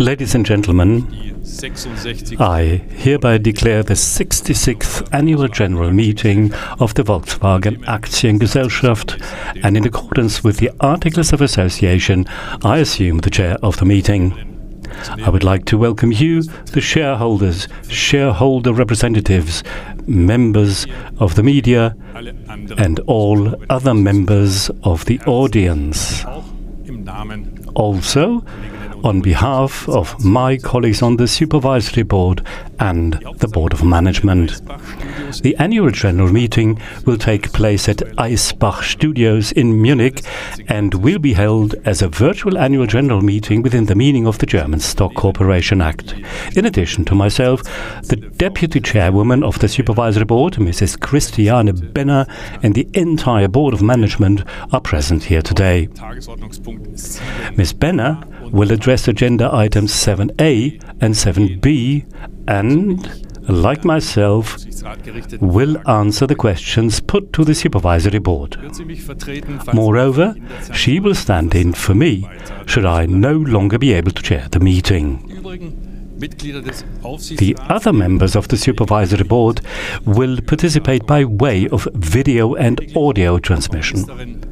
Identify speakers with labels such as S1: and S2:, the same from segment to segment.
S1: Ladies and gentlemen, I hereby declare the 66th Annual General Meeting of the Volkswagen Aktiengesellschaft. In accordance with the Articles of Association, I assume the Chair of the meeting. I would like to welcome you, the shareholders, shareholder representatives, members of the media, and all other members of the audience. On behalf of my colleagues on the Supervisory Board and the Board of Management. The Annual General Meeting will take place at Eisbach Studios in Munich and will be held as a virtual Annual General Meeting within the meaning of the German Stock Corporation Act. In addition to myself, the Deputy Chairwoman of the Supervisory Board, Mrs. Christiane Benner, and the entire Board of Management are present here today. Ms. Benner will address Agenda Items 7A and 7B and, like myself, will answer the questions put to the Supervisory Board. Moreover, she will stand in for me should I no longer be able to Chair the meeting. The other members of the Supervisory Board will participate by way of video and audio transmission.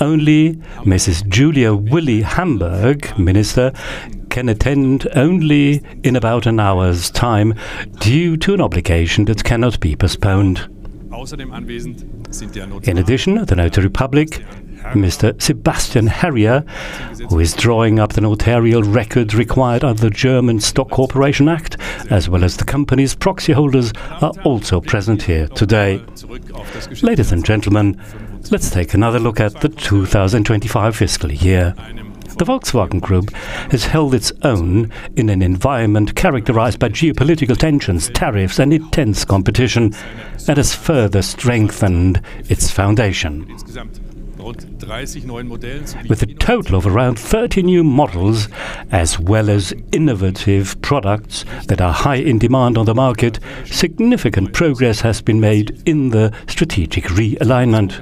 S1: Only Mrs. Julia Willie Hamburg, minister, can attend only in about an hour's time due to an obligation that cannot be postponed. In addition, the notary public, Mr. Sebastian Harrer, who is drawing up the notarial records required of the German Stock Corporation Act, as well as the company's proxy holders, are also present here today. Ladies and gentlemen, let's take another look at the 2025 fiscal year. The Volkswagen Group has held its own in an environment characterized by geopolitical tensions, tariffs, and intense competition that has further strengthened its foundation. With a total of around 30 new models, as well as innovative products that are high in demand on the market, significant progress has been made in the strategic realignment.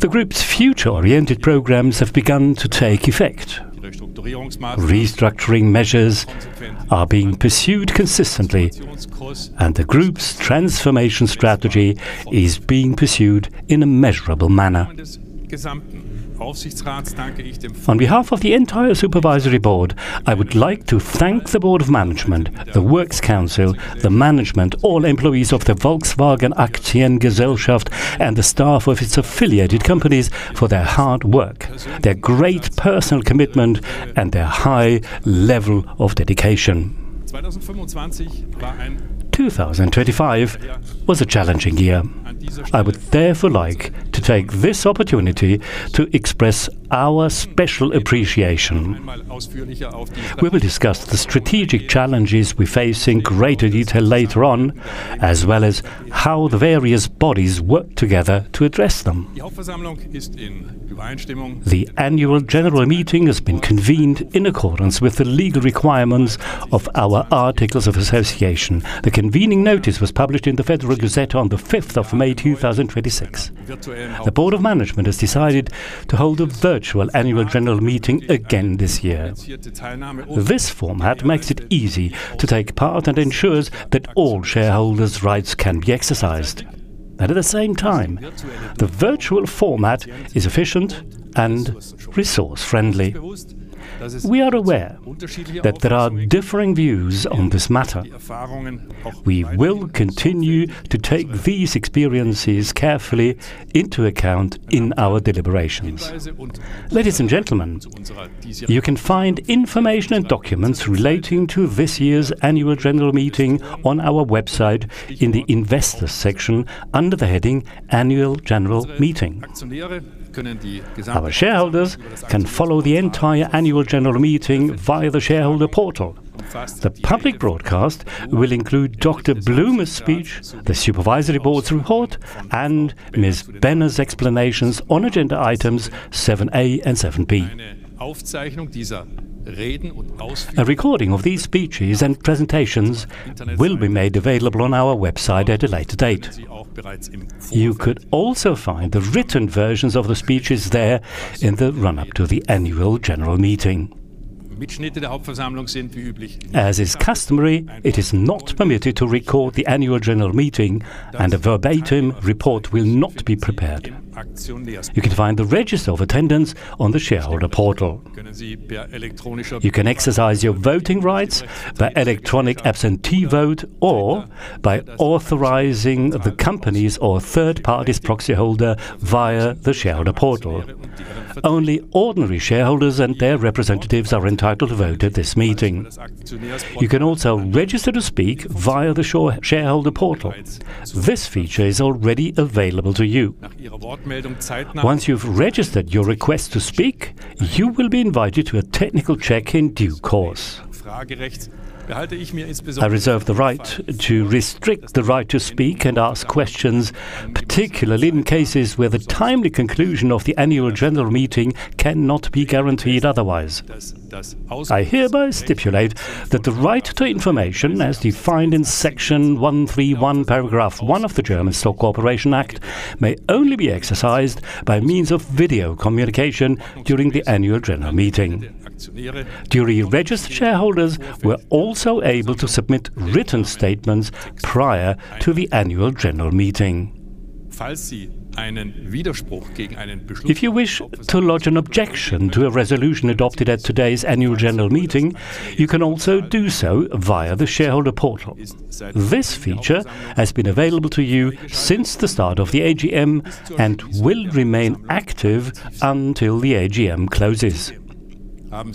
S1: The group's future-oriented programs have begun to take effect. Restructuring measures are being pursued consistently, and the group's transformation strategy is being pursued in a measurable manner. On behalf of the entire Supervisory Board, I would like to thank the Board of Management, the Works Council, the Management, all employees of the Volkswagen Aktiengesellschaft, and the staff of its affiliated companies for their hard work, their great personal commitment, and their high level of dedication. 2025 was a challenging year. I would therefore like to take this opportunity to express our special appreciation. We will discuss the strategic challenges we face in greater detail later on, as well as how the various bodies work together to address them. The Annual General Meeting has been convened in accordance with the legal requirements of our Articles of Association. The convening notice was published in the Federal Gazette on the 5th of May 2026. The Board of Management has decided to hold a virtual annual general meeting again this year. This format makes it easy to take part and ensures that all shareholders' rights can be exercised. At the same time, the virtual format is efficient and resource-friendly. We are aware that there are differing views on this matter. We will continue to take these experiences carefully into account in our deliberations. Ladies and gentlemen, you can find information and documents relating to this year's annual general meeting on our website in the Investors section under the heading Annual General Meeting. Our shareholders can follow the entire annual general meeting via the shareholder portal. The public broadcast will include Dr. Blume's speech, the Supervisory Board's report, and Ms. Benner's explanations on Agenda Items 7A and 7B. A recording of these speeches and presentations will be made available on our website at a later date. You could also find the written versions of the speeches there in the run-up to the Annual General Meeting. As is customary, it is not permitted to record the Annual General Meeting, and a verbatim report will not be prepared. You can find the register of attendance on the Shareholder Portal. You can exercise your voting rights by electronic absentee vote or by authorizing the company's or third-party's proxy holder via the Shareholder Portal. Only ordinary shareholders and their representatives are entitled to vote at this meeting. You can also register to speak via the Shareholder Portal. This feature is already available to you. Once you've registered your request to speak, you will be invited to a technical check in due course. I reserve the right to restrict the right to speak and ask questions, particularly in cases where the timely conclusion of the Annual General Meeting cannot be guaranteed otherwise. I hereby stipulate that the right to information as defined in Section 131, Paragraph 1 of the German Stock Corporation Act may only be exercised by means of video communication during the Annual General Meeting. Duly registered shareholders were also able to submit written statements prior to the Annual General Meeting. If you wish to lodge an objection to a resolution adopted at today's annual general meeting, you can also do so via the Shareholder Portal. This feature has been available to you since the start of the AGM and will remain active until the AGM closes. You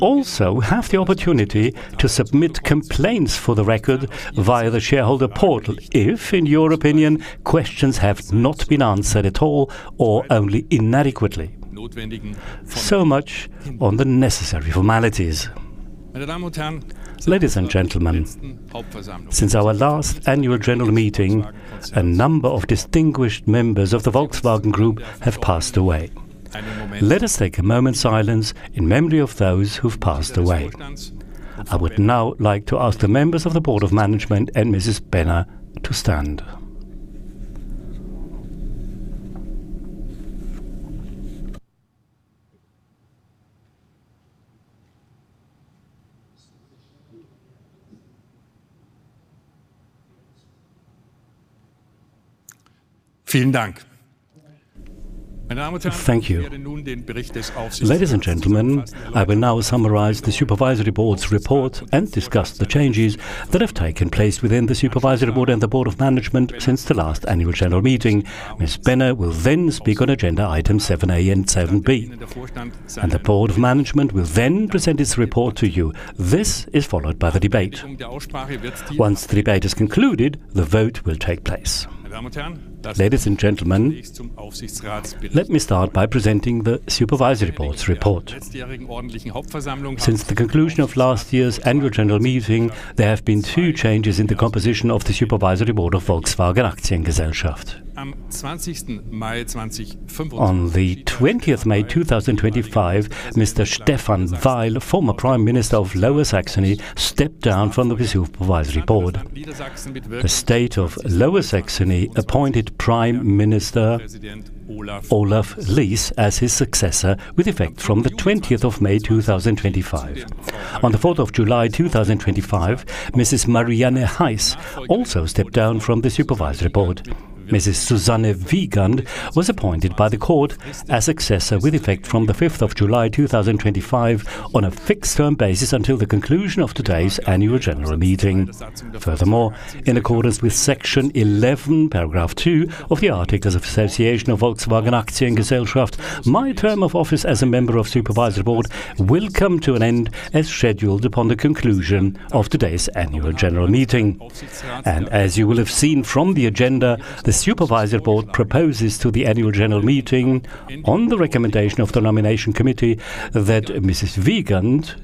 S1: also have the opportunity to submit complaints for the record via the Shareholder Portal if, in your opinion, questions have not been answered at all or only inadequately. So much on the necessary formalities. Ladies and gentlemen, since our last annual general meeting, a number of distinguished members of the Volkswagen Group have passed away. Let us take a moment's silence in memory of those who've passed away. I would now like to ask the members of the Board of Management and Ms. Benner to stand. Thank you. Ladies and gentlemen, I will now summarize the Supervisory Board's report and discuss the changes that have taken place within the Supervisory Board and the Board of Management since the last Annual General Meeting. Ms. Benner will then speak on Agenda Item 7A and 7B, and the Board of Management will then present its report to you. This is followed by the debate. Once the debate is concluded, the vote will take place. Ladies and gentlemen, let me start by presenting the Supervisory Board's report. Since the conclusion of last year's annual general meeting, there have been two changes in the composition of the Supervisory Board of Volkswagen Aktiengesellschaft. On the 20th May 2025, Mr. Stephan Weil, former Prime Minister of Lower Saxony, stepped down from the Supervisory Board. The State of Lower Saxony appointed Prime Minister Olaf Lies as his successor with effect from the 20th of May 2025. On the 4th of July 2025, Mrs. Marianne Heiß also stepped down from the Supervisory Board. Mrs. Susanne Wiegand was appointed by the court as successor with effect from the 5th of July 2025 on a fixed-term basis until the conclusion of today's annual general meeting. Furthermore, in accordance with Section 11, Paragraph 2 of the Articles of Association of Volkswagen Aktiengesellschaft, my term of office as a member of the Supervisory Board will come to an end as scheduled upon the conclusion of today's annual general meeting. As you will have seen from the agenda, the Supervisory Board proposes to the Annual General Meeting on the recommendation of the Nomination Committee that Mrs. Wiegand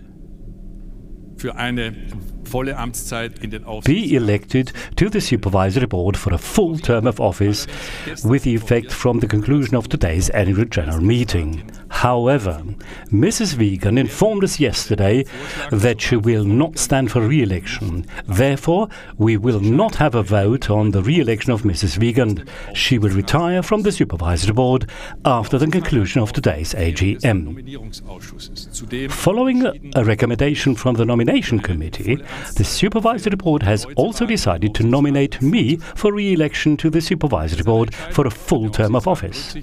S1: be elected to the Supervisory Board for a full term of office with effect from the conclusion of today's annual general meeting. However, Mrs. Wiegand informed us yesterday that she will not stand for re-election. Therefore, we will not have a vote on the re-election of Mrs. Wiegand. She will retire from the Supervisory Board after the conclusion of today's AGM. Following a recommendation from the Nomination Committee, the Supervisory Board has also decided to nominate me for re-election to the Supervisory Board for a full term of office.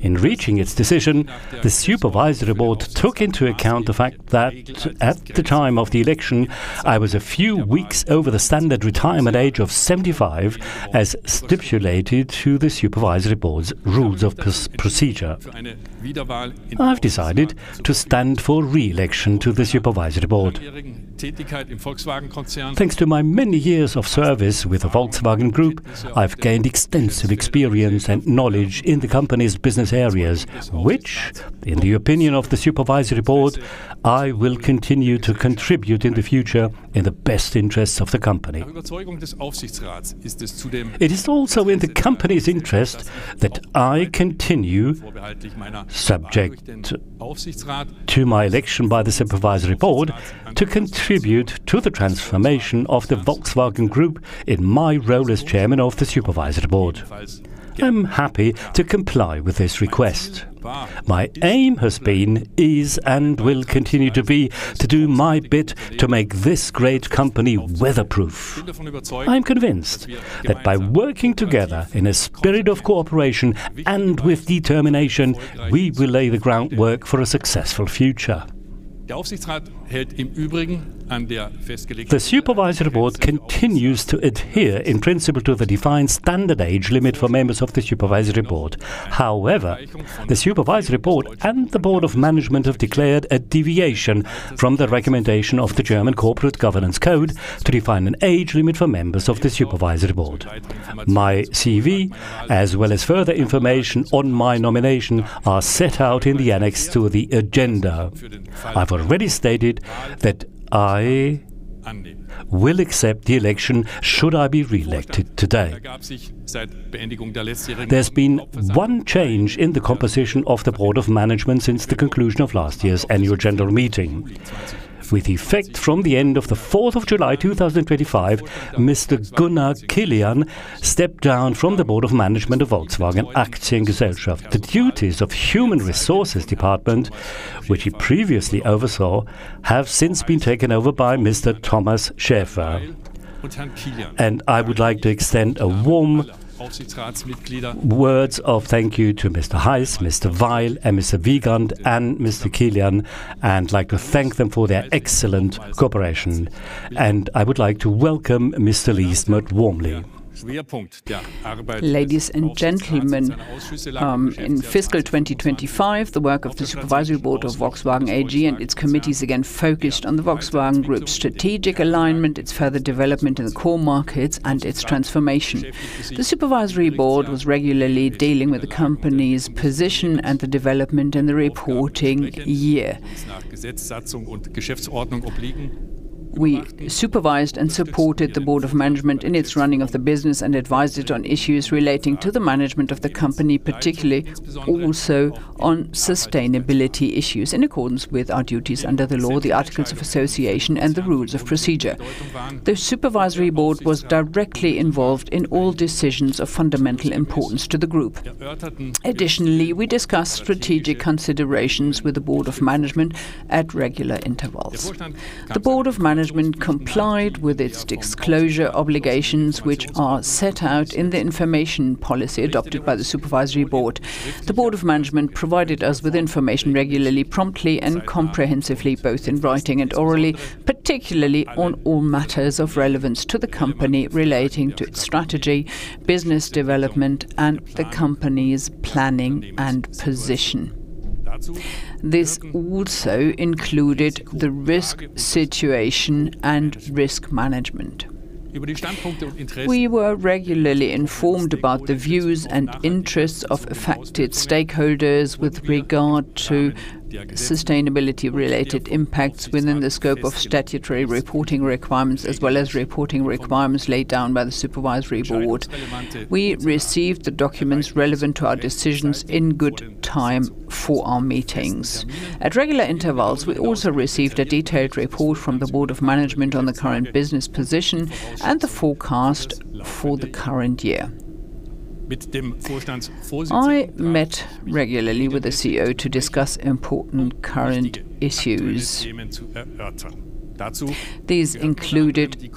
S1: In reaching its decision, the Supervisory Board took into account the fact that at the time of the election, I was a few weeks over the standard retirement age of 75, as stipulated to the Supervisory Board's rules of procedure. I've decided to stand for re-election to the Supervisory Board. Thanks to my many years of service with the Volkswagen Group, I've gained extensive experience and knowledge in the company's business areas, which, in the opinion of the Supervisory Board, I will continue to contribute in the future in the best interests of the company. It is also in the company's interest that I continue, subject to my election by the Supervisory Board, to contribute to the transformation of the Volkswagen Group in my role as Chairman of the Supervisory Board. I'm happy to comply with this request. My aim has been, is, and will continue to be to do my bit to make this great company weather-proof. I'm convinced that by working together in a spirit of cooperation and with determination, we will lay the groundwork for a successful future. The Supervisory Board continues to adhere in principle to the defined standard age limit for members of the Supervisory Board. However, the Supervisory Board and the Board of Management have declared a deviation from the recommendation of the German Corporate Governance Code to define an age limit for members of the Supervisory Board. My CV, as well as further information on my nomination, are set out in the annex to the agenda. I've already stated that I will accept the election should I be re-elected today. There's been one change in the composition of the Board of Management since the conclusion of last year's annual general meeting. With effect from the end of the 4th of July 2025, Mr. Gunnar Kilian stepped down from the Board of Management of Volkswagen Aktiengesellschaft. The duties of the Human Resources department, which he previously oversaw, have since been taken over by Mr. Thomas Schäfer. I would like to extend a warm words of thank you to Mrs. Heiß, Mr. Weil, Mrs. Wiegand, and Mr. Kilian, and like to thank them for their excellent cooperation. I would like to welcome Mr. Lies warmly. Ladies and gentlemen, in fiscal 2025, the work of the Supervisory Board of Volkswagen AG and its committees again focused on the Volkswagen Group's strategic alignment, its further development in the core markets, and its transformation. The Supervisory Board was regularly dealing with the company's position and the development in the reporting year. We supervised and supported the Board of Management in its running of the business and advised it on issues relating to the management of the company, particularly also on sustainability issues, in accordance with our duties under the law, the Articles of Association, and the rules of procedure. The Supervisory Board was directly involved in all decisions of fundamental importance to the group. Additionally, we discussed strategic considerations with the Board of Management at regular intervals. The Board of Management complied with its disclosure obligations, which are set out in the information policy adopted by the Supervisory Board. The Board of Management provided us with information regularly, promptly, and comprehensively, both in writing and orally, particularly on all matters of relevance to the company relating to its strategy, business development, and the company's planning and position. This also included the risk situation and risk management. We were regularly informed about the views and interests of affected stakeholders with regard to sustainability-related impacts within the scope of statutory reporting requirements, as well as reporting requirements laid down by the Supervisory Board. We received the documents relevant to our decisions in good time for our meetings. At regular intervals, we also received a detailed report from the Board of Management on the current business position and the forecast for the current year. I met regularly with the CEO to discuss important current issues. These included,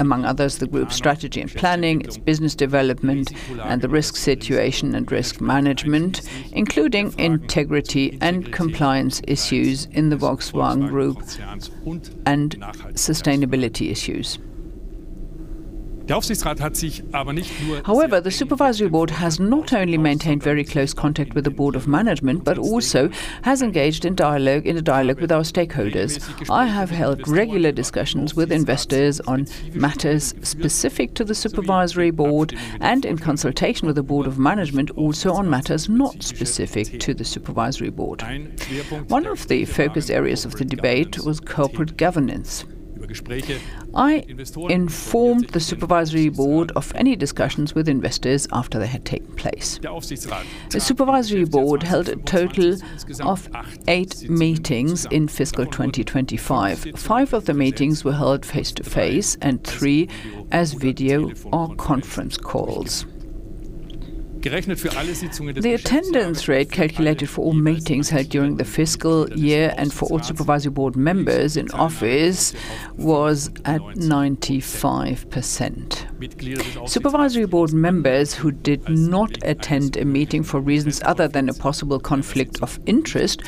S1: among others, the group's strategy and planning, its business development, and the risk situation and risk management, including integrity and compliance issues in the Volkswagen Group, and sustainability issues. However, the Supervisory Board has not only maintained very close contact with the Board of Management but also has engaged in a dialogue with our stakeholders. I have held regular discussions with investors on matters specific to the Supervisory Board and in consultation with the Board of Management also on matters not specific to the Supervisory Board. One of the focus areas of the debate was corporate governance. I informed the Supervisory Board of any discussions with investors after they had taken place. The Supervisory Board held a total of eight meetings in fiscal 2025. Five of the meetings were held face-to-face and three as video or conference calls. The attendance rate calculated for all meetings held during the fiscal year and for all Supervisory Board members in office was at 95%. Supervisory board members who did not attend a meeting for reasons other than a possible conflict of interest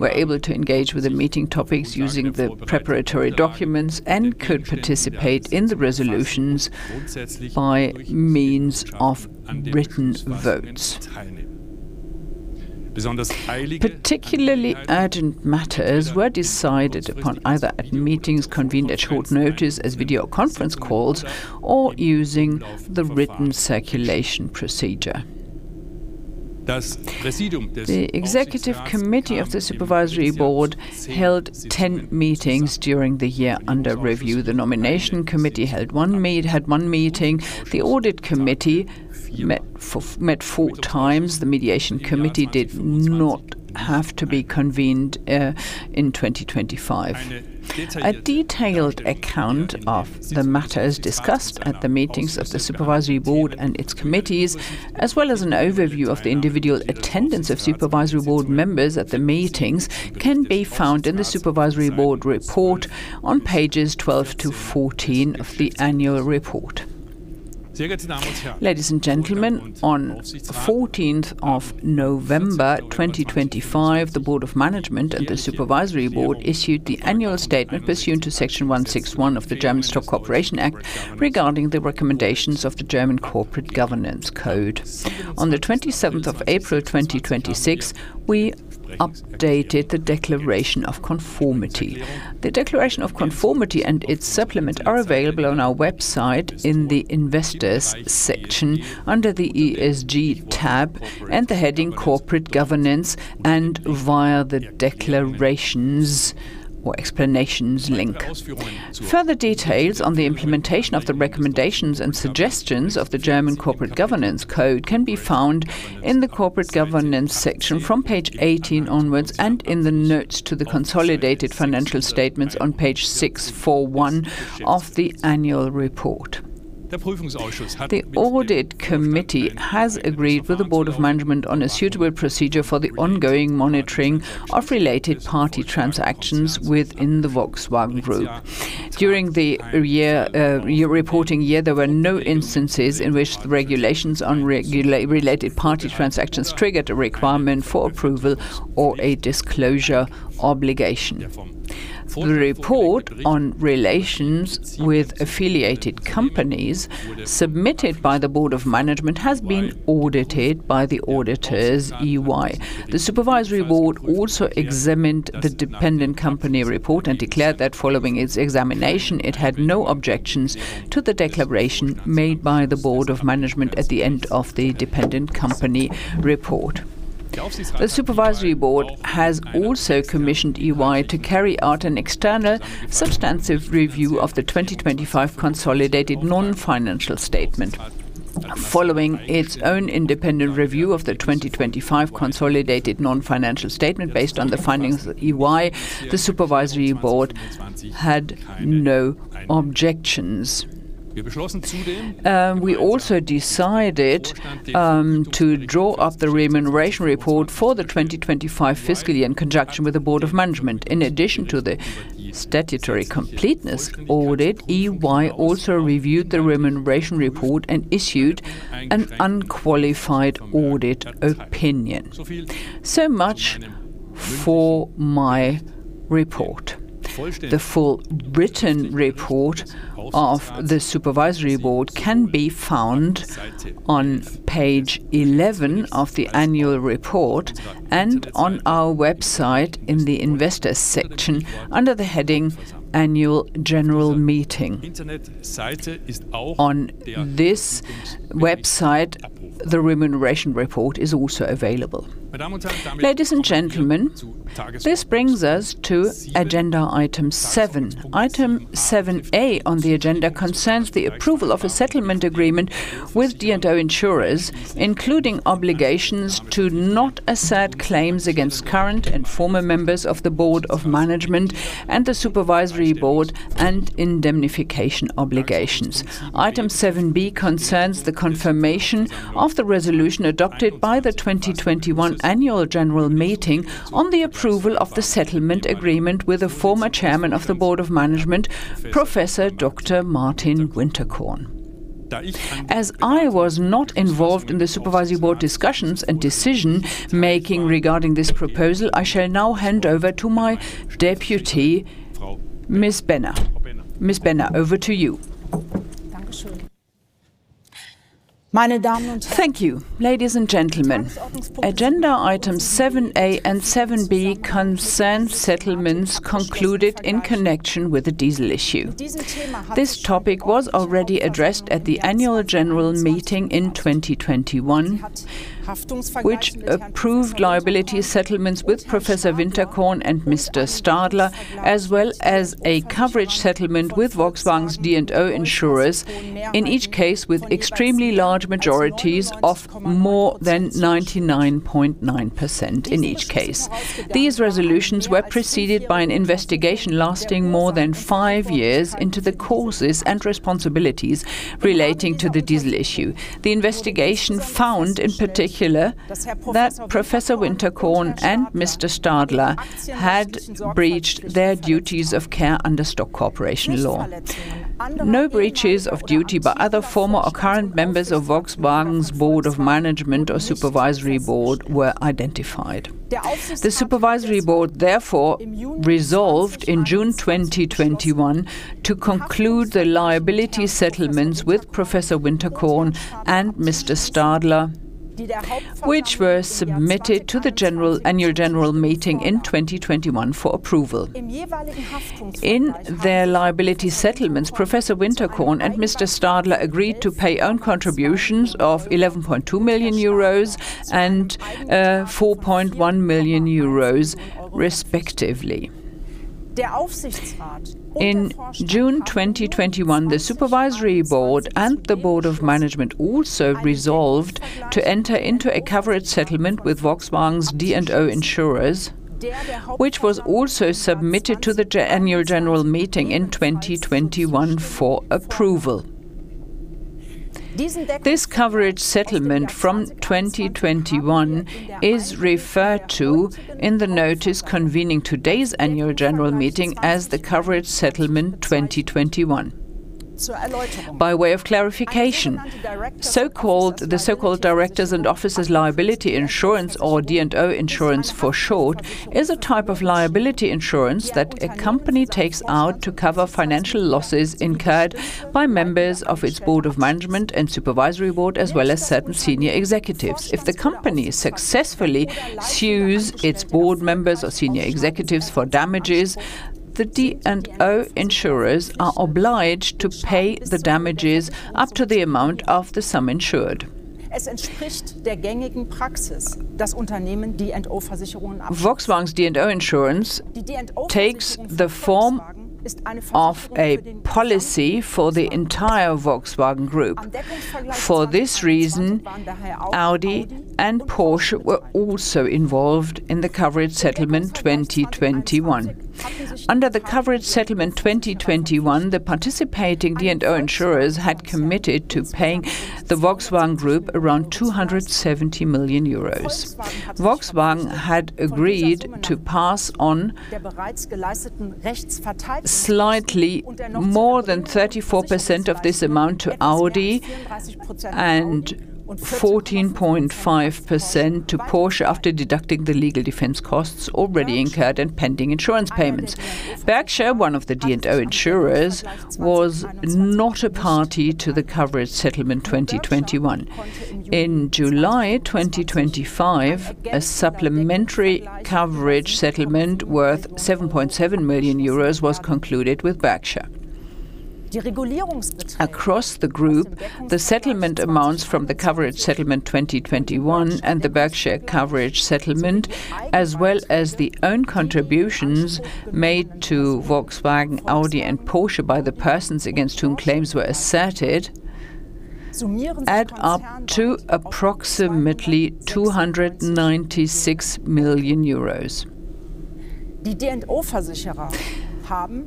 S1: were able to engage with the meeting topics using the preparatory documents and could participate in the resolutions by means of written votes. Particularly urgent matters were decided upon either at meetings convened at short notice as video conference calls or using the written circulation procedure. The Executive Committee of the Supervisory Board held 10 meetings during the year under review. The Nomination Committee had one meeting. The Audit Committee met four times. The Mediation Committee did not have to be convened in 2025. A detailed account of the matters discussed at the meetings of the Supervisory Board and its committees, as well as an overview of the individual attendance of Supervisory Board members at the meetings, can be found in the Supervisory Board report on pages 12 to 14 of the Annual Report. Ladies and gentlemen, on the 14th of November 2025, the Board of Management and the Supervisory Board issued the Annual Statement pursuant to Section 161 of the German Stock Corporation Act regarding the recommendations of the German Corporate Governance Code. On the 27th of April 2026, we updated the Declaration of Conformity. The Declaration of Conformity and its supplement are available on our website in the Investors section under the ESG tab and the heading Corporate Governance and via the Declarations or Explanations link. Further details on the implementation of the recommendations and suggestions of the German Corporate Governance Code can be found in the Corporate Governance section from page 18 onwards, in the notes to the Consolidated Financial Statements on page 641 of the Annual Report. The Audit Committee has agreed with the Board of Management on a suitable procedure for the ongoing monitoring of related party transactions within the Volkswagen Group. During the reporting year, there were no instances in which the regulations on related party transactions triggered a requirement for approval or a disclosure obligation. The report on relations with affiliated companies submitted by the Board of Management has been audited by the auditors, EY. The Supervisory Board also examined the Dependent Company Report and declared that following its examination, it had no objections to the declaration made by the Board of Management at the end of the Dependent Company Report. The Supervisory Board has also commissioned EY to carry out an external substantive review of the 2025 Consolidated Non-Financial Statement. Following its own independent review of the 2025 Consolidated Non-Financial Statement based on the findings of EY, the Supervisory Board had no objections. We also decided to draw up the Remuneration Report for the 2025 fiscal year in conjunction with the Board of Management. In addition to the statutory completeness audit, EY also reviewed the Remuneration Report and issued an unqualified audit opinion. So much for my report. The full written report of the Supervisory Board can be found on page 11 of the Annual Report and on our website in the Investors section under the heading Annual General Meeting. On this website, the Remuneration Report is also available. Ladies and gentlemen, this brings us to agenda Item 7. Item 7A on the agenda concerns the approval of a settlement agreement with D&O insurers, including obligations to not assert claims against current and former members of the Board of Management and the Supervisory Board and indemnification obligations. Item 7B concerns the confirmation of the resolution adopted by the 2021 Annual General Meeting on the approval of the settlement agreement with a former Chairman of the Board of Management, Professor Dr. Martin Winterkorn. As I was not involved in the Supervisory Board discussions and decision-making regarding this proposal, I shall now hand over to my deputy, Ms. Benner. Ms. Benner, over to you.
S2: Thank you. Ladies and gentlemen, Agenda Items 7A and 7B concern settlements concluded in connection with the diesel issue. This topic was already addressed at the Annual General Meeting in 2021, which approved liability settlements with Professor Winterkorn and Mr. Stadler, as well as a coverage settlement with Volkswagen's D&O insurers, in each case with extremely large majorities of more than 99.9% in each case. These resolutions were preceded by an investigation lasting more than five years into the causes and responsibilities relating to the diesel issue. The investigation found, in particular, that Professor Winterkorn and Mr. Stadler had breached their duties of care under stock corporation law. No breaches of duty by other former or current members of Volkswagen's Board of Management or Supervisory Board were identified. The Supervisory Board, therefore, resolved in June 2021 to conclude the liability settlements with Professor Winterkorn and Mr. Stadler, which were submitted to the Annual General Meeting in 2021 for approval. In their liability settlements, Professor Winterkorn and Mr. Stadler agreed to pay own contributions of 11.2 million euros and 4.1 million euros, respectively. In June 2021, the Supervisory Board and the Board of Management also resolved to enter into a coverage settlement with Volkswagen's D&O insurers, which was also submitted to the Annual General Meeting in 2021 for approval. This coverage settlement from 2021 is referred to in the notice convening today's annual general meeting as the Coverage Settlement 2021. By way of clarification, the so-called directors' and officers' liability insurance, or D&O insurance for short, is a type of liability insurance that a company takes out to cover financial losses incurred by members of its Board of Management and Supervisory Board, as well as certain senior executives. If the company successfully sues its board members or senior executives for damages, the D&O insurers are obliged to pay the damages up to the amount of the sum insured. Volkswagen's D&O insurance takes the form of a policy for the entire Volkswagen Group. For this reason, Audi and Porsche were also involved in the Coverage Settlement 2021. Under the Coverage Settlement 2021, the participating D&O insurers had committed to paying the Volkswagen Group around 270 million euros. Volkswagen had agreed to pass on slightly more than 34% of this amount to Audi and 14.5% to Porsche, after deducting the legal defense costs already incurred and pending insurance payments. Berkshire, one of the D&O insurers, was not a party to the Coverage Settlement 2021. In July 2025, a supplementary coverage settlement worth 7.7 million euros was concluded with Berkshire. Across the group, the settlement amounts from the Coverage Settlement 2021 and the Berkshire coverage settlement, as well as the own contributions made to Volkswagen, Audi, and Porsche by the persons against whom claims were asserted, add up to approximately EUR 296 million.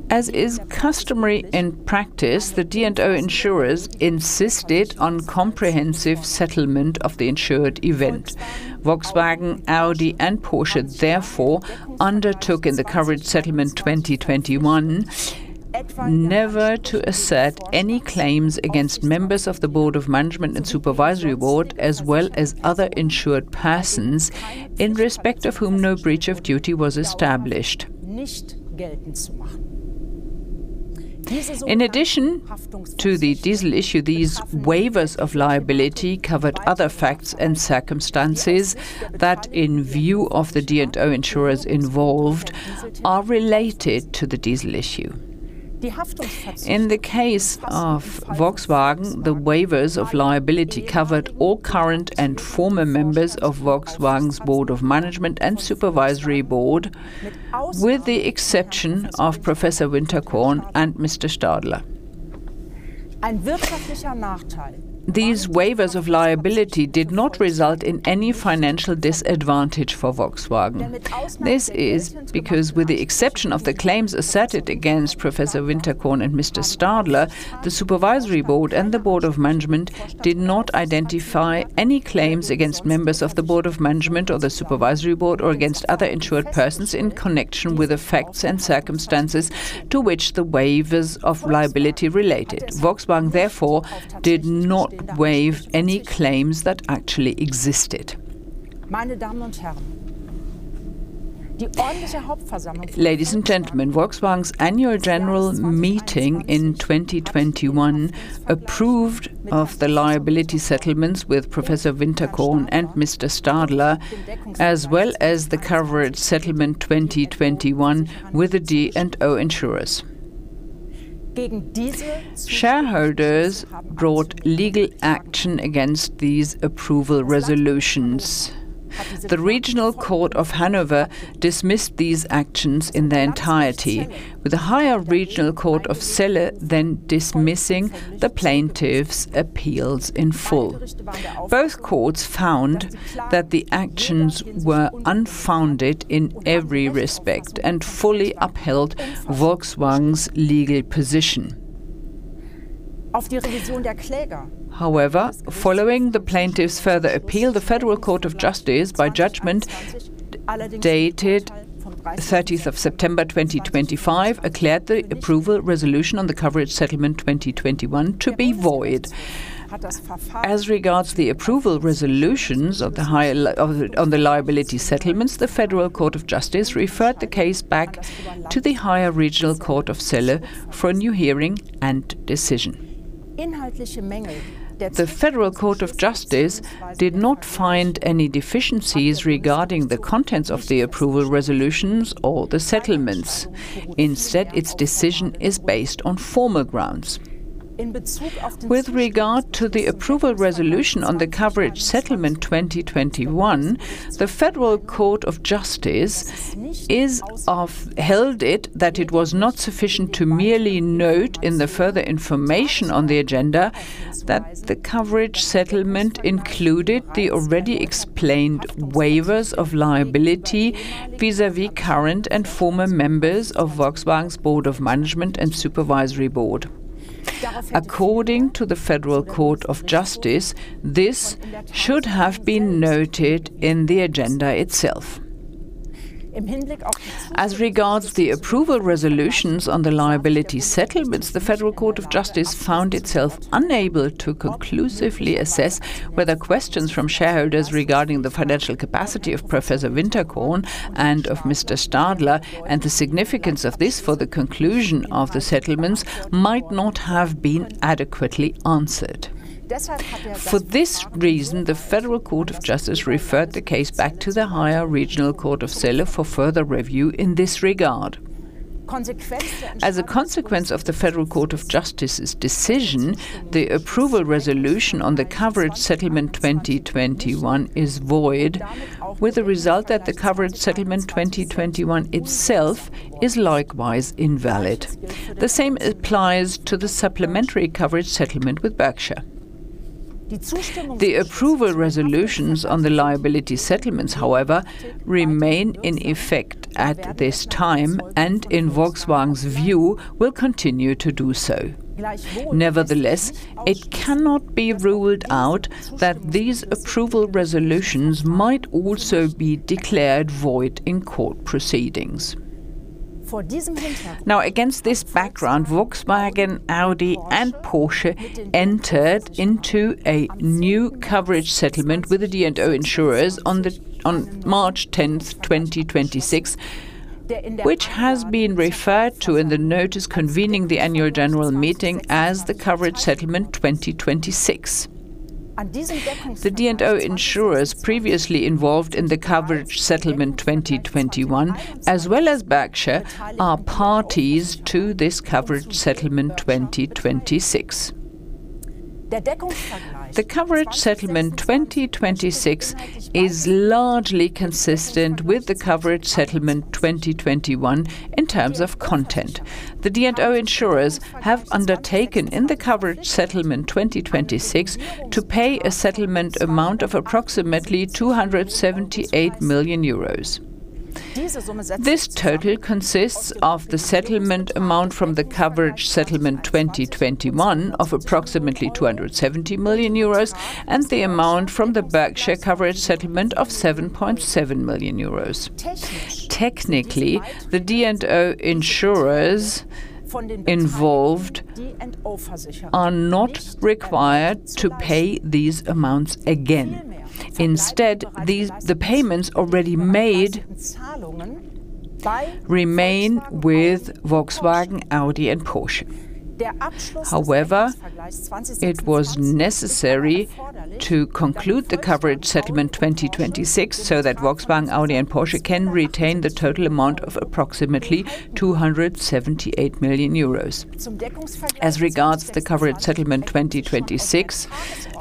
S2: As is customary in practice, the D&O insurers insisted on comprehensive settlement of the insured event. Volkswagen, Audi, and Porsche therefore undertook in the Coverage Settlement 2021, never to assert any claims against members of the Board of Management and Supervisory Board, as well as other insured persons in respect of whom no breach of duty was established. In addition to the diesel issue, these waivers of liability covered other facts and circumstances that, in view of the D&O insurers involved, are related to the diesel issue. In the case of Volkswagen, the waivers of liability covered all current and former members of Volkswagen's Board of Management and Supervisory Board, with the exception of Professor Winterkorn and Mr. Stadler. These waivers of liability did not result in any financial disadvantage for Volkswagen. This is because, with the exception of the claims asserted against Professor Winterkorn and Mr. Stadler, the Supervisory Board and the Board of Management did not identify any claims against members of the Board of Management or the Supervisory Board, or against other insured persons in connection with the facts and circumstances to which the waiver of liability related. Volkswagen, therefore, did not waive any claims that actually existed. Ladies and gentlemen, Volkswagen's Annual General Meeting in 2021 approved of the liability settlements with Professor Winterkorn and Mr. Stadler, as well as the Coverage Settlement 2021 with the D&O insurers. Shareholders brought legal action against these approval resolutions. The Regional Court of Hanover dismissed these actions in their entirety, with the Higher Regional Court of Celle then dismissing the plaintiffs' appeals in full. Both courts found that the actions were unfounded in every respect and fully upheld Volkswagen's legal position. However, following the plaintiffs' further appeal, the Federal Court of Justice, by judgment dated 30th of September 2025, declared the approval resolution on the Coverage Settlement 2021 to be void. As regards the approval resolutions on the liability settlements, the Federal Court of Justice referred the case back to the Higher Regional Court of Celle for a new hearing and decision. The Federal Court of Justice did not find any deficiencies regarding the contents of the approval resolutions or the settlements. Instead, its decision is based on formal grounds. With regard to the approval resolution on the Coverage Settlement 2021, the Federal Court of Justice held that it was not sufficient to merely note in the further information on the agenda that the coverage settlement included the already explained waivers of liability vis-à-vis current and former members of Volkswagen's Board of Management and Supervisory Board. According to the Federal Court of Justice, this should have been noted in the agenda itself. As regards the approval resolutions on the liability settlements, the Federal Court of Justice found itself unable to conclusively assess whether questions from shareholders regarding the financial capacity of Professor Winterkorn and of Mr. Stadler, and the significance of this for the conclusion of the settlements, might not have been adequately answered. For this reason, the Federal Court of Justice referred the case back to the Higher Regional Court of Celle for further review in this regard. As a consequence of the Federal Court of Justice's decision, the approval resolution on the Coverage Settlement 2021 is void, with the result that the Coverage Settlement 2021 itself is likewise invalid. The same applies to the supplementary coverage settlement with Berkshire. The approval resolutions on the liability settlements, however, remain in effect at this time, and in Volkswagen's view, will continue to do so. Nevertheless, it cannot be ruled out that these approval resolutions might also be declared void in court proceedings. Against this background, Volkswagen, Audi, and Porsche entered into a new coverage settlement with the D&O insurers on March 10th, 2026, which has been referred to in the notice convening the Annual General Meeting as the Coverage Settlement 2026. The D&O insurers previously involved in the Coverage Settlement 2021, as well as Berkshire, are parties to this Coverage Settlement 2026. The Coverage Settlement 2026 is largely consistent with the Coverage Settlement 2021 in terms of content. The D&O insurers have undertaken in the Coverage Settlement 2026 to pay a settlement amount of approximately 278 million euros. This total consists of the settlement amount from the Coverage Settlement 2021 of approximately 270 million euros and the amount from the Berkshire coverage settlement of 7.7 million euros. Technically, the D&O insurers involved are not required to pay these amounts again. Instead, the payments already made remain with Volkswagen, Audi, and Porsche. It was necessary to conclude the Coverage Settlement 2026, so that Volkswagen, Audi, and Porsche can retain the total amount of approximately 278 million euros. As regards the Coverage Settlement 2026,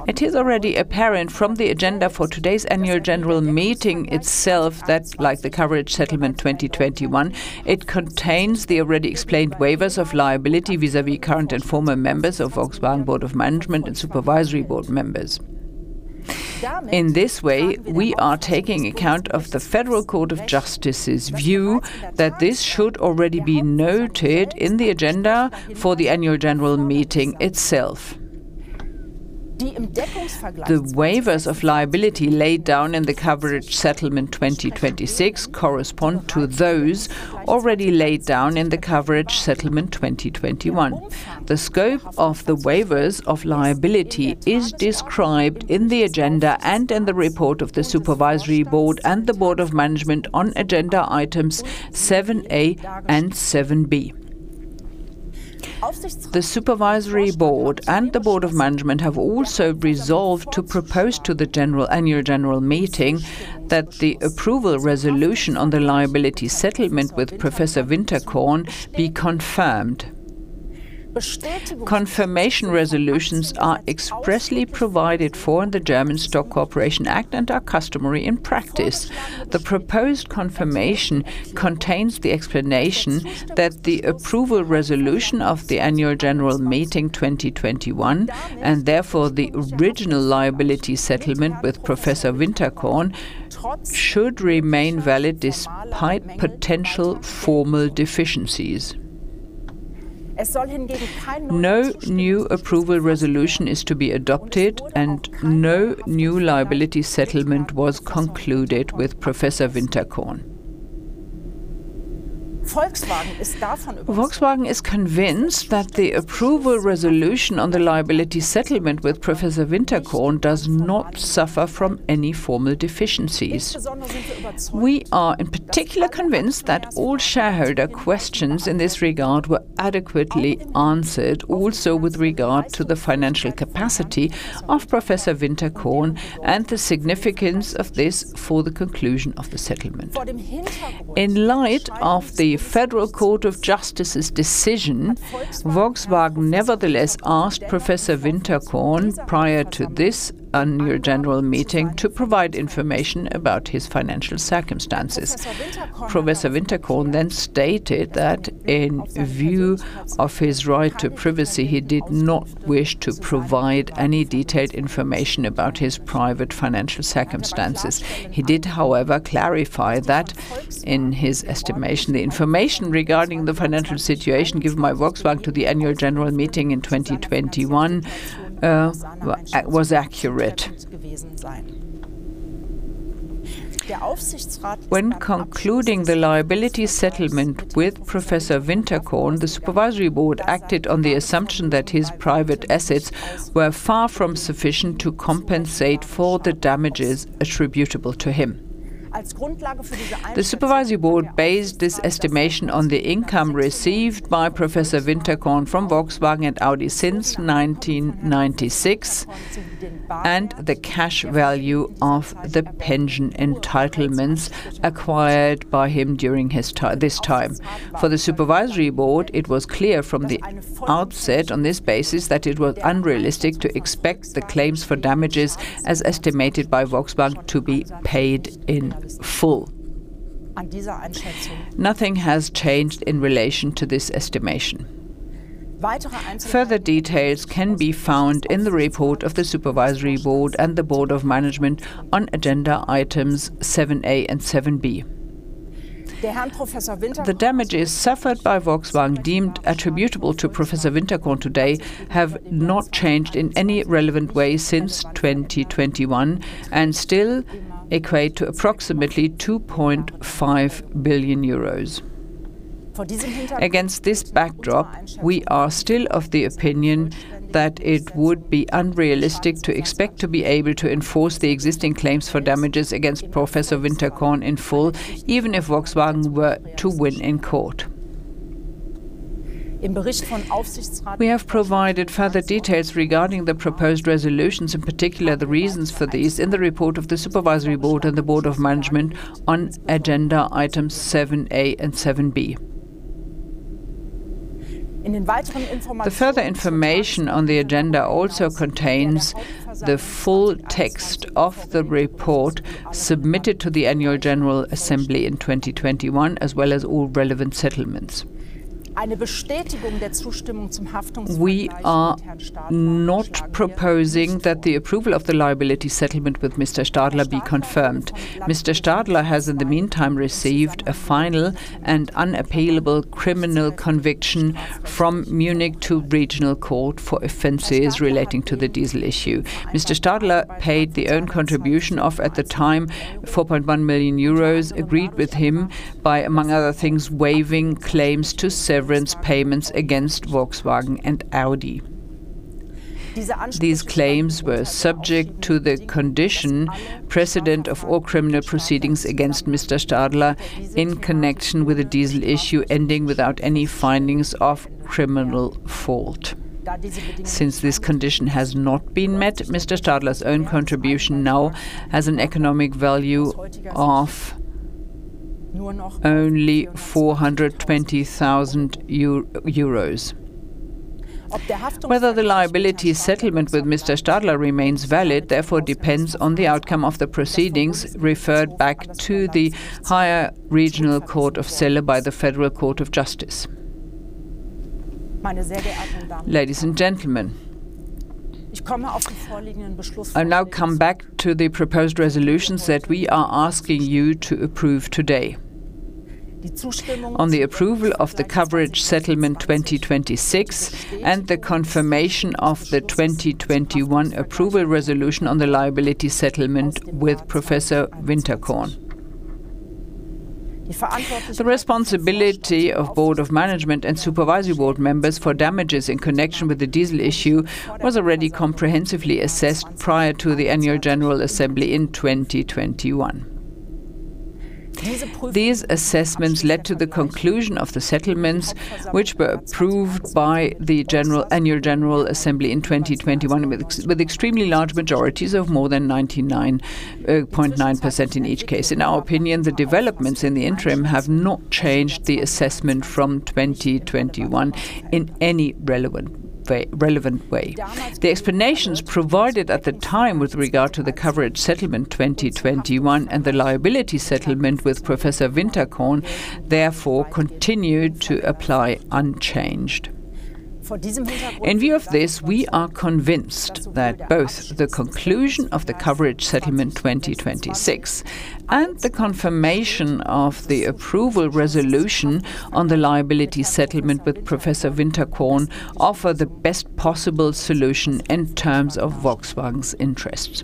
S2: it is already apparent from the agenda for today's annual general meeting itself that like the Coverage Settlement 2021, it contains the already explained waivers of liability vis-à-vis current and former members of Volkswagen's Board of Management and Supervisory Board members. In this way, we are taking account of the Federal Court of Justice's view that this should already be noted in the agenda for the Annual General Meeting itself. The waivers of liability laid down in the Coverage Settlement 2026 correspond to those already laid down in the Coverage Settlement 2021. The scope of the waivers of liability is described in the agenda and in the report of the Supervisory Board and the Board of Management on Agenda Items 7A and 7B. The Supervisory Board and the Board of Management have also resolved to propose to the Annual General Meeting that the approval resolution on the liability settlement with Professor Winterkorn be confirmed. Confirmation resolutions are expressly provided for in the German Stock Corporation Act and are customary in practice. The proposed confirmation contains the explanation that the approval resolution of the Annual General Meeting 2021, and therefore the original liability settlement with Professor Winterkorn, should remain valid despite potential formal deficiencies. No new approval resolution is to be adopted. No new liability settlement was concluded with Professor Winterkorn. Volkswagen is convinced that the approval resolution on the liability settlement with Professor Winterkorn does not suffer from any formal deficiencies. We are in particular convinced that all shareholder questions in this regard were adequately answered, also with regard to the financial capacity of Professor Winterkorn and the significance of this for the conclusion of the settlement. In light of the Federal Court of Justice's decision, Volkswagen nevertheless asked Professor Winterkorn, prior to this annual general meeting, to provide information about his financial circumstances. Professor Winterkorn then stated that in view of his right to privacy, he did not wish to provide any detailed information about his private financial circumstances. He did, however, clarify that in his estimation, the information regarding the financial situation given by Volkswagen to the Annual General Meeting in 2021 was accurate. When concluding the liability settlement with Professor Winterkorn, the Supervisory Board acted on the assumption that his private assets were far from sufficient to compensate for the damages attributable to him. The Supervisory Board based this estimation on the income received by Professor Winterkorn from Volkswagen and Audi since 1996, and the cash value of the pension entitlements acquired by him during this time. For the Supervisory Board, it was clear from the outset on this basis that it was unrealistic to expect the claims for damages, as estimated by Volkswagen, to be paid in full. Nothing has changed in relation to this estimation. Further details can be found in the report of the Supervisory Board and the Board of Management on Agenda Items 7A and 7B. The damages suffered by Volkswagen deemed attributable to Professor Winterkorn today have not changed in any relevant way since 2021 and still equate to approximately 2.5 billion euros. Against this backdrop, we are still of the opinion that it would be unrealistic to expect to be able to enforce the existing claims for damages against Professor Winterkorn in full, even if Volkswagen were to win in court. We have provided further details regarding the proposed resolutions, in particular, the reasons for these in the report of the Supervisory Board and the Board of Management on Agenda Items 7A and 7B. The further information on the agenda also contains the full text of the report submitted to the annual general assembly in 2021, as well as all relevant settlements. We are not proposing that the approval of the liability settlement with Mr. Stadler be confirmed. Mr. Stadler has in the meantime received a final and unappealable criminal conviction from the Munich Regional Court for offenses relating to the diesel issue. Mr. Stadler paid the own contribution of, at the time, 4.1 million euros agreed with him by, among other things, waiving claims to severance payments against Volkswagen and Audi. These claims were subject to the condition precedent of all criminal proceedings against Mr. Stadler in connection with the diesel issue ending without any findings of criminal fault. Since this condition has not been met, Mr. Stadler's own contribution now has an economic value of only 420,000 euros. Whether the liability settlement with Mr. Stadler remains valid, therefore depends on the outcome of the proceedings referred back to the Higher Regional Court of Celle by the Federal Court of Justice. Ladies and gentlemen, I'll now come back to the proposed resolutions that we are asking you to approve today. On the approval of the Coverage Settlement 2026 and the confirmation of the 2021 approval resolution on the Liability Settlement with Professor Winterkorn. The responsibility of Board of Management and Supervisory Board members for damages in connection with the diesel issue was already comprehensively assessed prior to the annual general assembly in 2021. These assessments led to the conclusion of the settlements, which were approved by the annual general assembly in 2021 with extremely large majorities of more than 99.9% in each case. In our opinion, the developments in the interim have not changed the assessment from 2021 in any relevant way. The explanations provided at the time with regard to the Coverage Settlement 2021 and the Liability Settlement with Professor Winterkorn, therefore continue to apply unchanged. In view of this, we are convinced that both the conclusion of the Coverage Settlement 2026 and the confirmation of the approval resolution on the Liability Settlement with Professor Winterkorn offer the best possible solution in terms of Volkswagen's interests.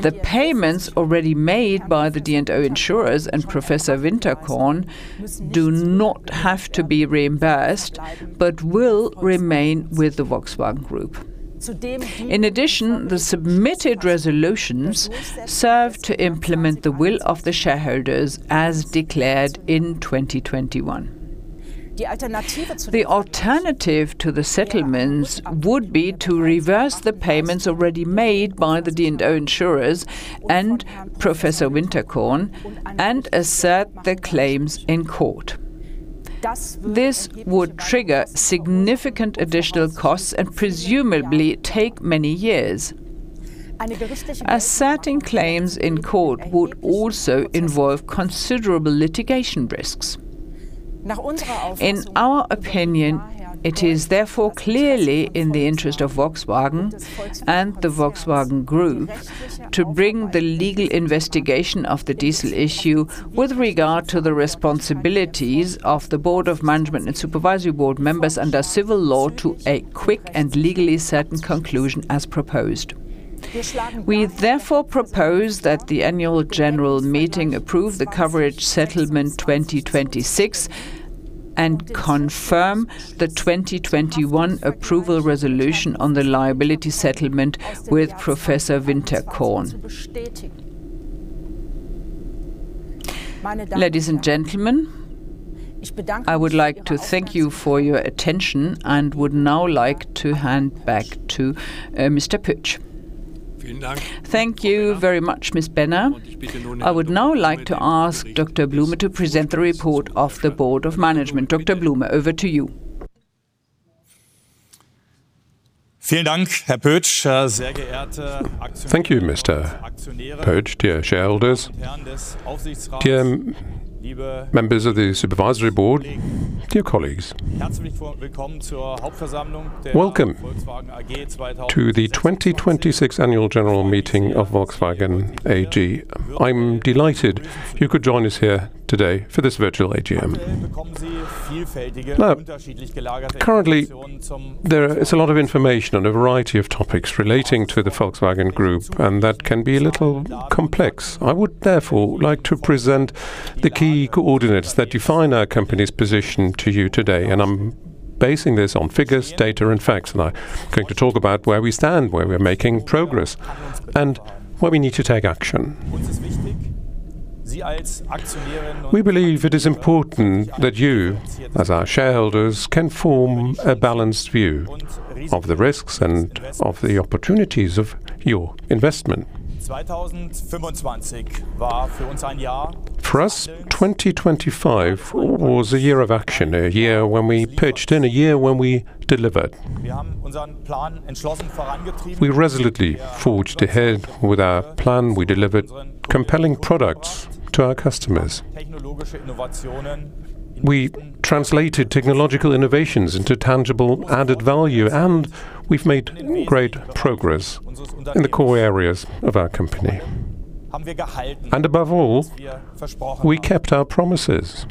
S2: The payments already made by the D&O insurers and Professor Winterkorn do not have to be reimbursed but will remain with the Volkswagen Group. In addition, the submitted resolutions serve to implement the will of the shareholders as declared in 2021. The alternative to the settlements would be to reverse the payments already made by the D&O insurers and Professor Winterkorn and assert their claims in court. This would trigger significant additional costs and presumably take many years. Asserting claims in court would also involve considerable litigation risks. In our opinion, it is therefore clearly in the interest of Volkswagen and the Volkswagen Group to bring the legal investigation of the diesel issue with regard to the responsibilities of the Board of Management and Supervisory Board members under civil law to a quick and legally certain conclusion as proposed. We therefore propose that the Annual General Meeting approve the Coverage Settlement 2026 and confirm the 2021 approval resolution on the Liability Settlement with Professor Winterkorn. Ladies and gentlemen, I would like to thank you for your attention and would now like to hand back to Mr. Pötsch.
S1: Thank you very much, Ms. Benner. I would now like to ask Dr. Blume to present the report of the Board of Management. Dr. Blume, over to you.
S3: Thank you, Mr. Pötsch. Dear shareholders, dear members of the Supervisory Board, dear colleagues. Welcome to the 2026 Annual General Meeting of Volkswagen AG. I'm delighted you could join us here today for this virtual AGM. Currently, there is a lot of information on a variety of topics relating to the Volkswagen Group, and that can be a little complex. I would therefore like to present the key coordinates that define our company's position to you today, and I'm basing this on figures, data, and facts. I'm going to talk about where we stand, where we're making progress, and where we need to take action. We believe it is important that you, as our shareholders, can form a balanced view of the risks and of the opportunities of your investment. For us, 2025 was a year of action, a year when we pitched in, a year when we delivered. We resolutely forged ahead with our plan. We delivered compelling products to our customers. We translated technological innovations into tangible added value. We've made great progress in the core areas of our company. Above all, we kept our promises.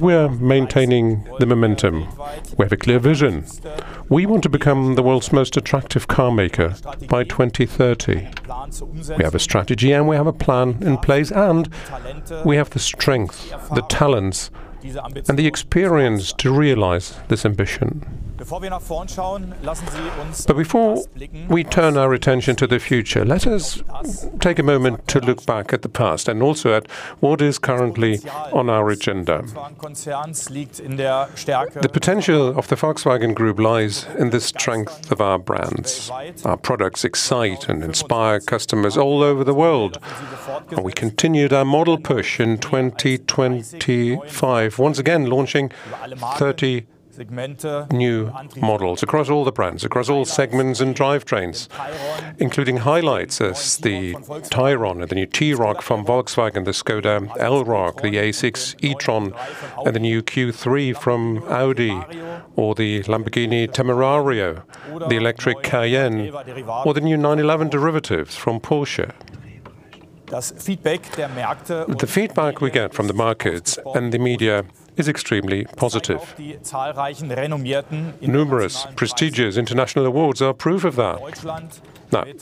S3: We're maintaining the momentum. We have a clear vision. We want to become the world's most attractive car maker by 2030. We have a strategy and we have a plan in place. We have the strength, the talents, and the experience to realize this ambition. Before we turn our attention to the future, let us take a moment to look back at the past and also at what is currently on our agenda. The potential of the Volkswagen Group lies in the strength of our brands. Our products excite and inspire customers all over the world. We continued our model push in 2025, once again, launching 30 new models across all the brands, across all segments and drivetrains, including highlights as the Tayron and the new T-Roc from Volkswagen, the Škoda Elroq, the A6 e-tron, and the new Q3 from Audi, or the Lamborghini Temerario, the electric Cayenne, or the new 911 derivatives from Porsche. The feedback we get from the markets and the media is extremely positive. Numerous prestigious international awards are proof of that.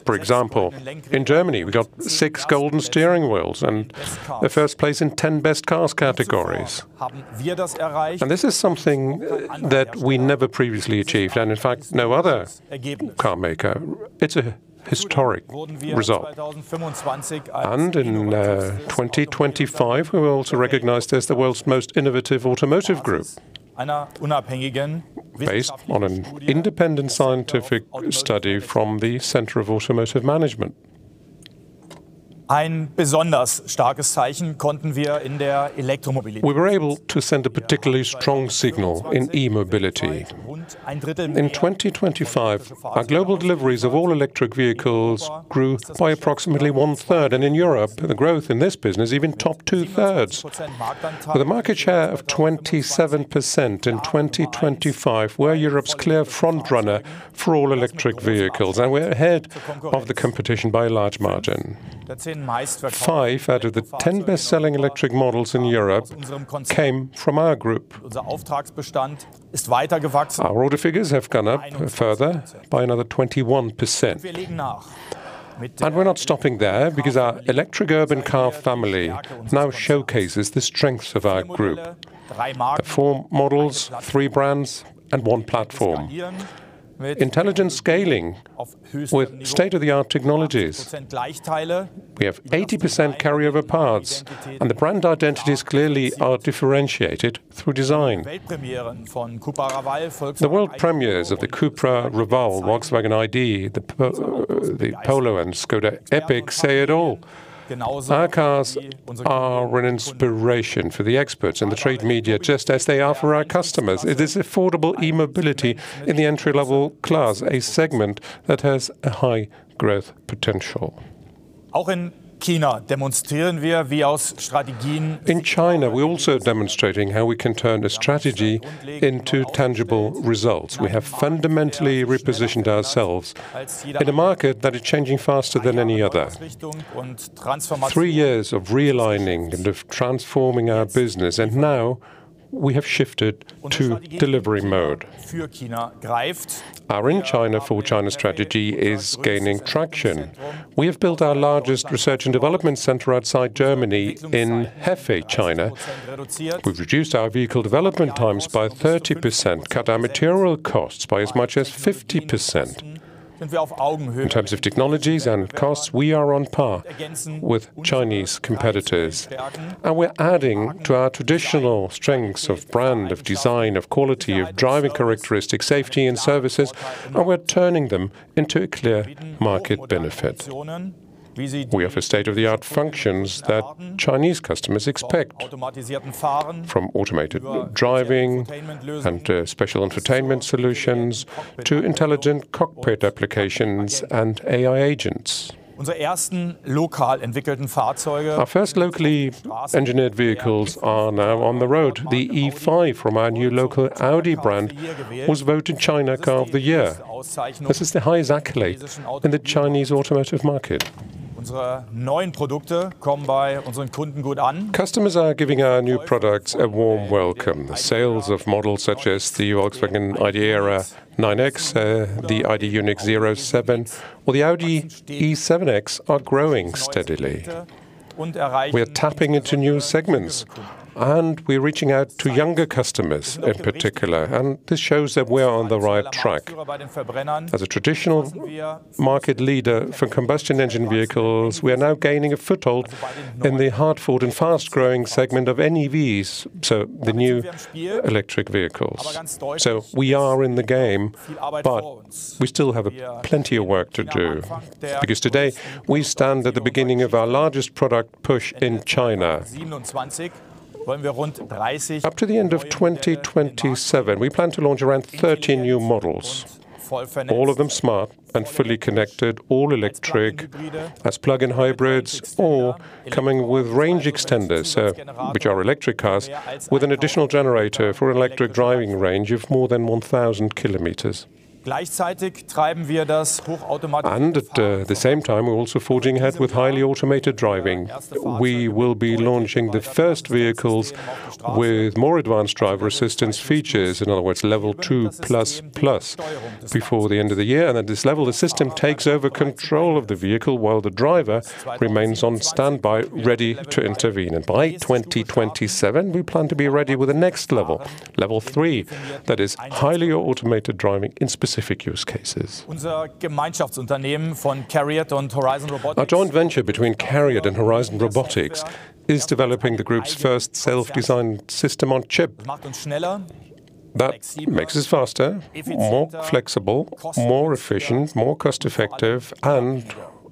S3: For example, in Germany, we got six Golden Steering Wheels and the first place in 10 Best Cars categories. This is something that we never previously achieved, in fact, no other carmaker. It's a historic result. In 2025, we were also recognized as the World's Most Innovative Automotive Group, based on an independent scientific study from the Center of Automotive Management. We were able to send a particularly strong signal in e-mobility. In 2025, our global deliveries of all-electric vehicles grew by approximately 1/3. In Europe, the growth in this business even topped 2/3. With a market share of 27% in 2025, we're Europe's clear front-runner for all-electric vehicles. We're ahead of the competition by a large margin. Five out of the 10 best-selling electric models in Europe came from our group. Our order figures have gone up further by another 21%. We're not stopping there because our electric urban car family now showcases the strength of our group. Four models, three brands, and one platform. Intelligent scaling with state-of-the-art technologies. We have 80% carryover parts. The brand identities clearly are differentiated through design. The world premieres of the Cupra Raval, Volkswagen ID. Polo, and Škoda Epiq say it all. Our cars are an inspiration for the experts and the trade media, just as they are for our customers. It is affordable e-mobility in the entry-level class, a segment that has a high growth potential. In China, we're also demonstrating how we can turn a strategy into tangible results. We have fundamentally repositioned ourselves in a market that is changing faster than any other. Three years of realigning and of transforming our business. Now we have shifted to delivery mode. Our In China for China strategy is gaining traction. We have built our largest Research and Development Center outside Germany in Hefei, China. We've reduced our vehicle development times by 30%, cut our material costs by as much as 50%. In terms of technologies and costs, we are on par with Chinese competitors. We're adding to our traditional strengths of brand, of design, of quality, of driving characteristics, safety, and services. We're turning them into a clear market benefit. We offer state-of-the-art functions that Chinese customers expect, from automated driving and special entertainment solutions to intelligent cockpit applications and AI agents. Our first locally engineered vehicles are now on the road. The E5 from our new local Audi brand was voted China Car of the Year. This is the highest accolade in the Chinese automotive market. Customers are giving our new products a warm welcome. The sales of models such as the Volkswagen ID. ERA 9X, the ID. UNYX 07, or the AUDI E7X are growing steadily. We are tapping into new segments. We are reaching out to younger customers in particular. This shows that we are on the right track. As a traditional market leader for combustion engine vehicles, we are now gaining a foothold in the hard-fought and fast-growing segment of NEVs, so the new electric vehicles. We are in the game, but we still have plenty of work to do, because today we stand at the beginning of our largest product push in China. Up to the end of 2027, we plan to launch around 30 new models, all of them smart and fully connected, all electric, as plug-in hybrids or coming with range extenders, which are electric cars with an additional generator for an electric driving range of more than 1,000 kms. At the same time, we're also forging ahead with highly automated driving. We will be launching the first vehicles with more advanced driver assistance features, in other words, Level 2++, before the end of the year. At this level, the system takes over control of the vehicle while the driver remains on standby, ready to intervene. By 2027, we plan to be ready with the next level, Level 3. That is highly automated driving in specific use cases. Our joint venture between CARIAD and Horizon Robotics is developing the group's first self-designed System-on-Chip. That makes us faster, more flexible, more efficient, more cost-effective, and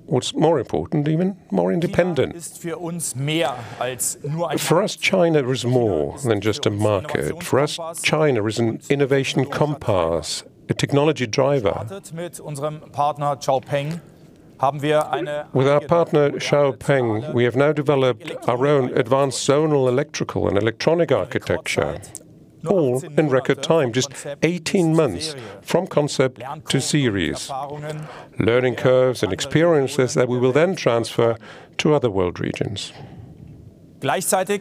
S3: what's more important, even more independent. For us, China is more than just a market. For us, China is an innovation compass, a technology driver. With our partner, XPENG, we have now developed our own advanced Zonal Electrical and Electronic Architecture, all in record time, just 18 months from concept to series. Learning curves and experiences that we will then transfer to other world regions. At the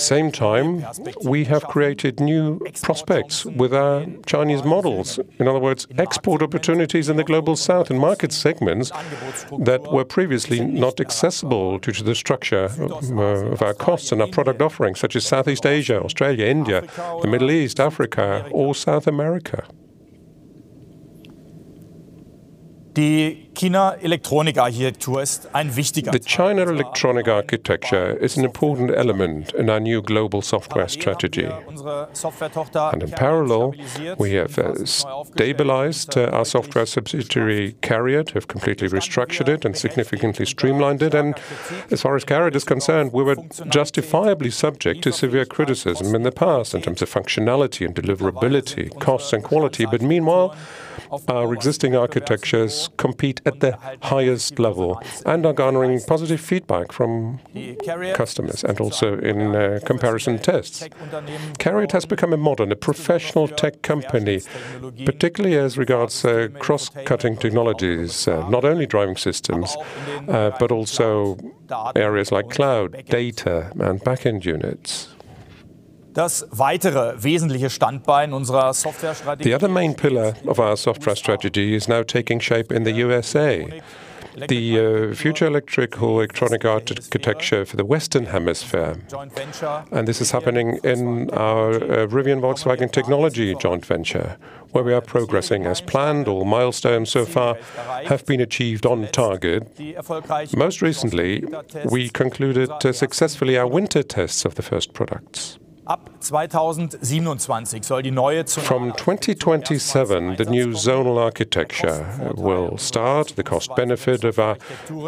S3: same time, we have created new prospects with our Chinese models. In other words, export opportunities in the Global South and market segments that were previously not accessible due to the structure of our costs and our product offerings, such as Southeast Asia, Australia, India, the Middle East, Africa, or South America. The China Electronic Architecture is an important element in our new Global Software Strategy. In parallel, we have stabilized our software subsidiary, CARIAD, have completely restructured it and significantly streamlined it. As far as CARIAD is concerned, we were justifiably subject to severe criticism in the past in terms of functionality and deliverability, cost and quality. Meanwhile, our existing architectures compete at the highest level and are garnering positive feedback from customers, and also in comparison tests. CARIAD has become a modern, a professional tech company, particularly as regards cross-cutting technologies, not only driving systems, but also areas like cloud, data, and back-end units. The other main pillar of our software strategy is now taking shape in the U.S.A., the future electric or electronic architecture for the Western hemisphere. This is happening in our Rivian-Volkswagen Technology Joint Venture, where we are progressing as planned. All milestones so far have been achieved on target. Most recently, we concluded successfully our winter tests of the first products. From 2027, the new zonal architecture will start. The cost benefit of our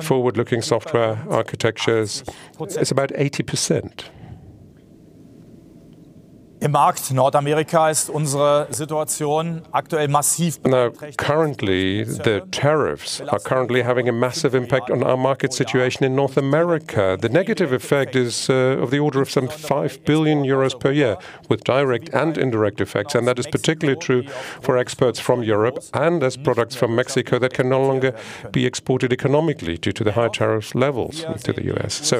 S3: forward-looking software architectures is about 80%. Currently, the tariffs are having a massive impact on our market situation in North America. The negative effect is of the order of some 5 billion euros per year, with direct and indirect effects, that is particularly true for exports from Europe, and as products from Mexico that can no longer be exported economically due to the high tariff levels into the U.S.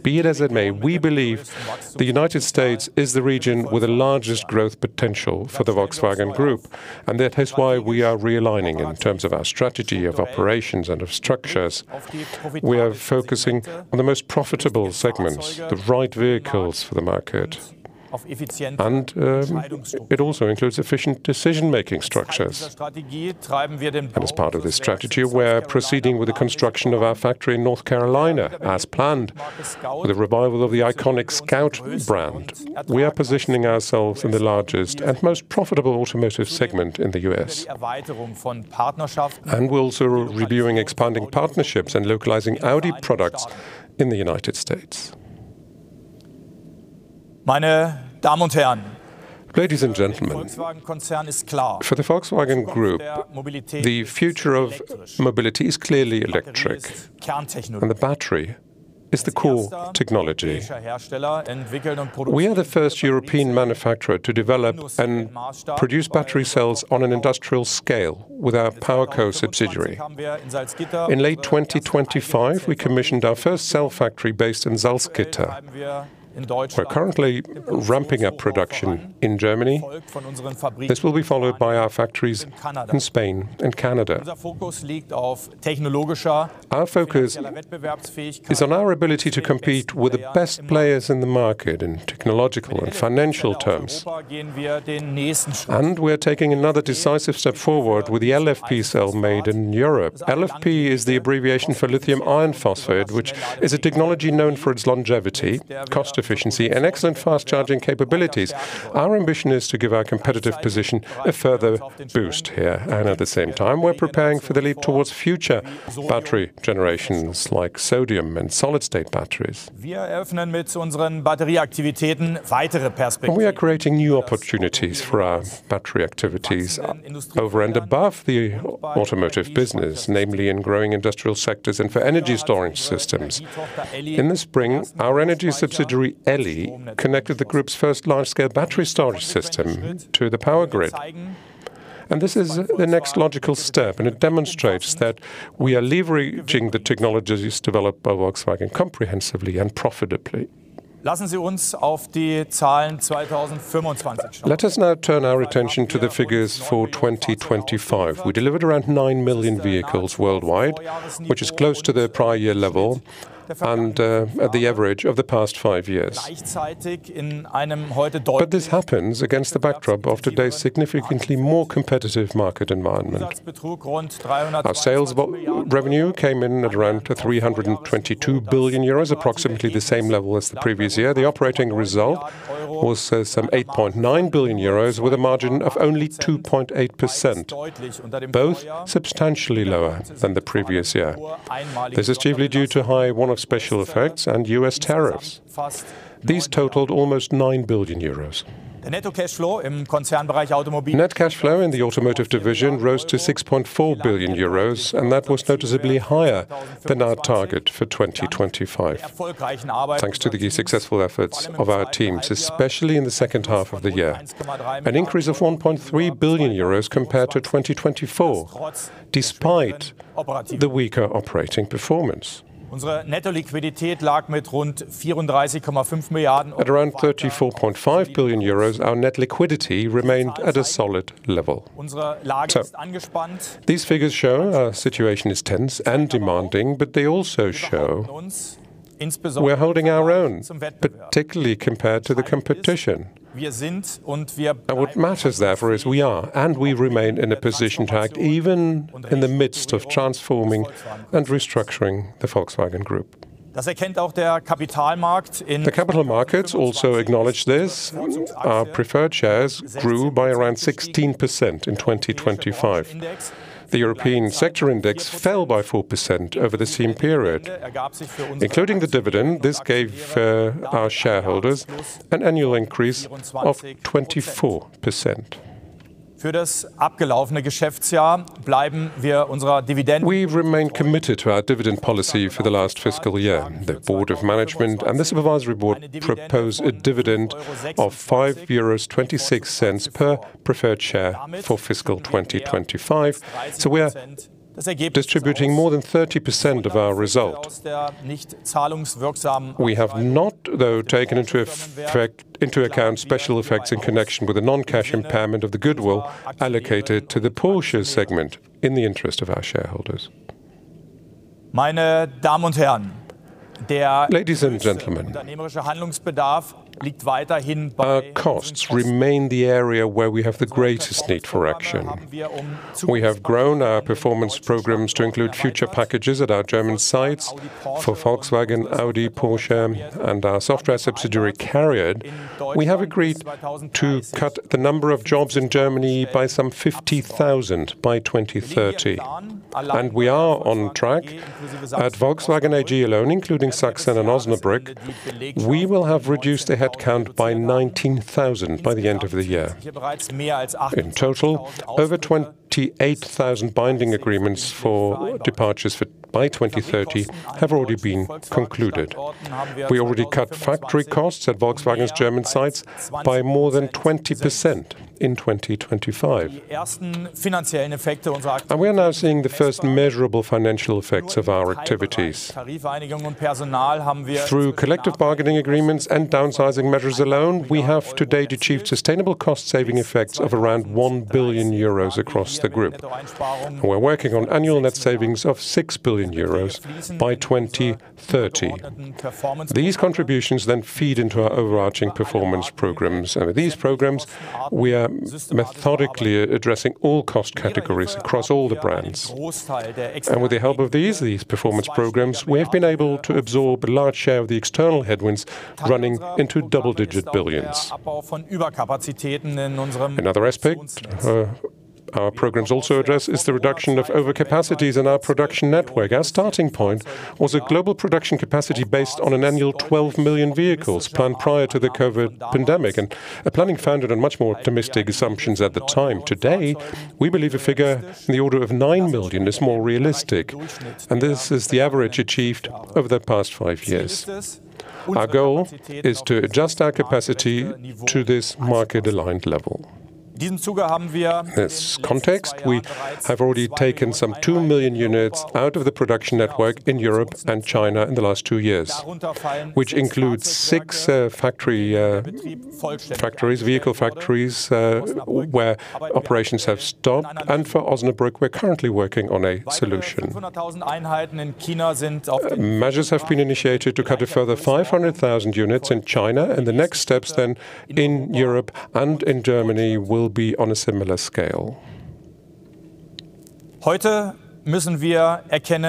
S3: Be that as it may, we believe the United States is the region with the largest growth potential for the Volkswagen Group, that is why we are realigning in terms of our strategy of operations and of structures. We are focusing on the most profitable segments, the right vehicles for the market, it also includes efficient decision-making structures. As part of this strategy, we're proceeding with the construction of our factory in North Carolina as planned, with a revival of the iconic Scout brand. We are positioning ourselves in the largest and most profitable automotive segment in the U.S. We're also reviewing expanding partnerships and localizing Audi products in the United States. Ladies and gentlemen, for the Volkswagen Group, the future of mobility is clearly electric, and the battery is the core technology. We are the first European manufacturer to develop and produce battery cells on an industrial scale with our PowerCo subsidiary. In late 2025, we commissioned our first cell factory based in Salzgitter. We're currently ramping up production in Germany. This will be followed by our factories in Spain and Canada. Our focus is on our ability to compete with the best players in the market in technological and financial terms. We're taking another decisive step forward with the LFP cell made in Europe. LFP is the abbreviation for lithium iron phosphate, which is a technology known for its longevity, cost efficiency, and excellent fast-charging capabilities. Our ambition is to give our competitive position a further boost here, at the same time, we're preparing for the leap toward future battery generations like sodium and solid-state batteries. We are creating new opportunities for our battery activities over and above the automotive business, namely in growing industrial sectors and for energy storage systems. In the spring, our energy subsidiary, Elli, connected the group's first large-scale battery storage system to the power grid. This is the next logical step, it demonstrates that we are leveraging the technologies developed by Volkswagen comprehensively and profitably. Let us now turn our attention to the figures for 2025. We delivered around 9 million vehicles worldwide, which is close to the prior year level and the average of the past five years. This happens against the backdrop of today's significantly more competitive market environment. Our sales revenue came in at around 322 billion euros, approximately the same level as the previous year. The Operating Result was some 8.9 billion euros, with a margin of only 2.8%, both substantially lower than the previous year. This is chiefly due to high one-off special effects and U.S. tariffs. These totaled almost 9 billion euros. Net cash flow in the Automotive Division rose to 6.4 billion euros and that was noticeably higher than our target for 2025, thanks to the successful efforts of our teams, especially in the second half of the year, an increase of 1.3 billion euros compared to 2024, despite the weaker operating performance. At around 34.5 billion euros, our net liquidity remained at a solid level. These figures show our situation is tense and demanding, but they also show we're holding our own, particularly compared to the competition. What matters, therefore, is we are and we remain in a position to act, even in the midst of transforming and restructuring the Volkswagen Group. The capital markets also acknowledge this. Our preferred shares grew by around 16% in 2025. The European sector index fell by 4% over the same period. Including the dividend, this gave our shareholders an annual increase of 24%. We remain committed to our dividend policy for the last fiscal year. The Board of Management and the Supervisory Board proposed a dividend of 5.26 euros per preferred share for fiscal 2025, we are distributing more than 30% of our result. We have not, though, taken into account special effects in connection with the non-cash impairment of the goodwill allocated to the Porsche segment in the interest of our shareholders. Ladies and gentlemen, our costs remain the area where we have the greatest need for action. We have grown our performance programs to include future packages at our German sites for Volkswagen, Audi, Porsche, and our software subsidiary, CARIAD. We have agreed to cut the number of jobs in Germany by some 50,000 by 2030, and we are on track. At Volkswagen AG alone, including Sachsen and Osnabrück, we will have reduced the headcount by 19,000 by the end of the year. In total, over 28,000 binding agreements for departures by 2030 have already been concluded. We already cut factory costs at Volkswagen's German sites by more than 20% in 2025. We are now seeing the first measurable financial effects of our activities. Through collective bargaining agreements and downsizing measures alone, we have to date achieved sustainable cost-saving effects of around 1 billion euros across the group. We're working on annual net savings of 6 billion euros by 2030. These contributions then feed into our overarching performance programs. Over these programs, we are methodically addressing all cost categories across all the brands. With the help of these performance programs, we have been able to absorb a large share of the external headwinds running into double-digit billions. Another aspect, our programs also address the reduction of overcapacities in our production network. Our starting point was a global production capacity based on an annual 12 million vehicles plan prior to the COVID pandemic, and a planning founded on much more optimistic assumptions at the time. Today, we believe a figure in the order of 9 million is more realistic, and this is the average achieved over the past five years. Our goal is to adjust our capacity to this market-aligned level. In this context, we have already taken some 2 million units out of the production network in Europe and China in the last two years, which includes six vehicle factories, where operations have stopped. For Osnabrück, we're currently working on a solution. Measures have been initiated to cut a further 500,000 units in China, the next steps then in Europe and in Germany will be on a similar scale. Today,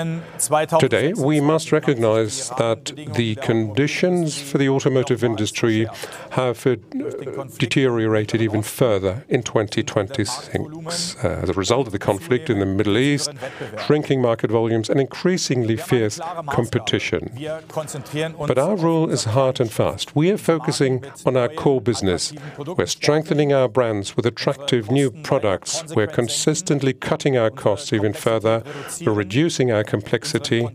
S3: we must recognize that the conditions for the automotive industry have deteriorated even further in 2026 as a result of the conflict in the Middle East, shrinking market volumes, and increasingly fierce competition. Our rule is hard and fast. We are focusing on our core business. We're strengthening our brands with attractive new products. We're consistently cutting our costs even further. We're reducing our complexity,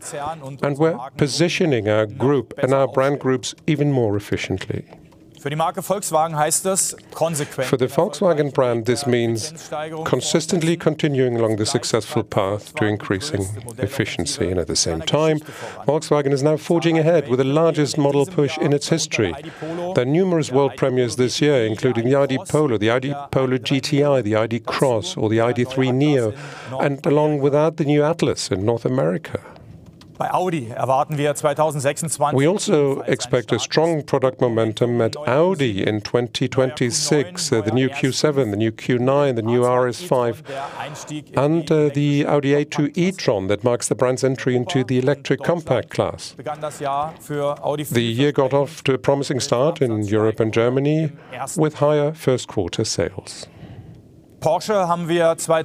S3: we're positioning our group and our brand groups even more efficiently. For the Volkswagen brand, this means consistently continuing along the successful path to increasing efficiency, at the same time, Volkswagen is now forging ahead with the largest model push in its history. There are numerous world premieres this year, including the ID. Polo, the ID. Polo GTI, the ID. Cross, or the ID.3 Neo, along with that, the new Atlas in North America. We also expect a strong product momentum at Audi in 2026. The new Q7, the new Q9, the new RS 5, and the Audi A2 e-tron that marks the brand's entry into the electric compact class. The year got off to a promising start in Europe and Germany with higher first-quarter sales. We have comprehensively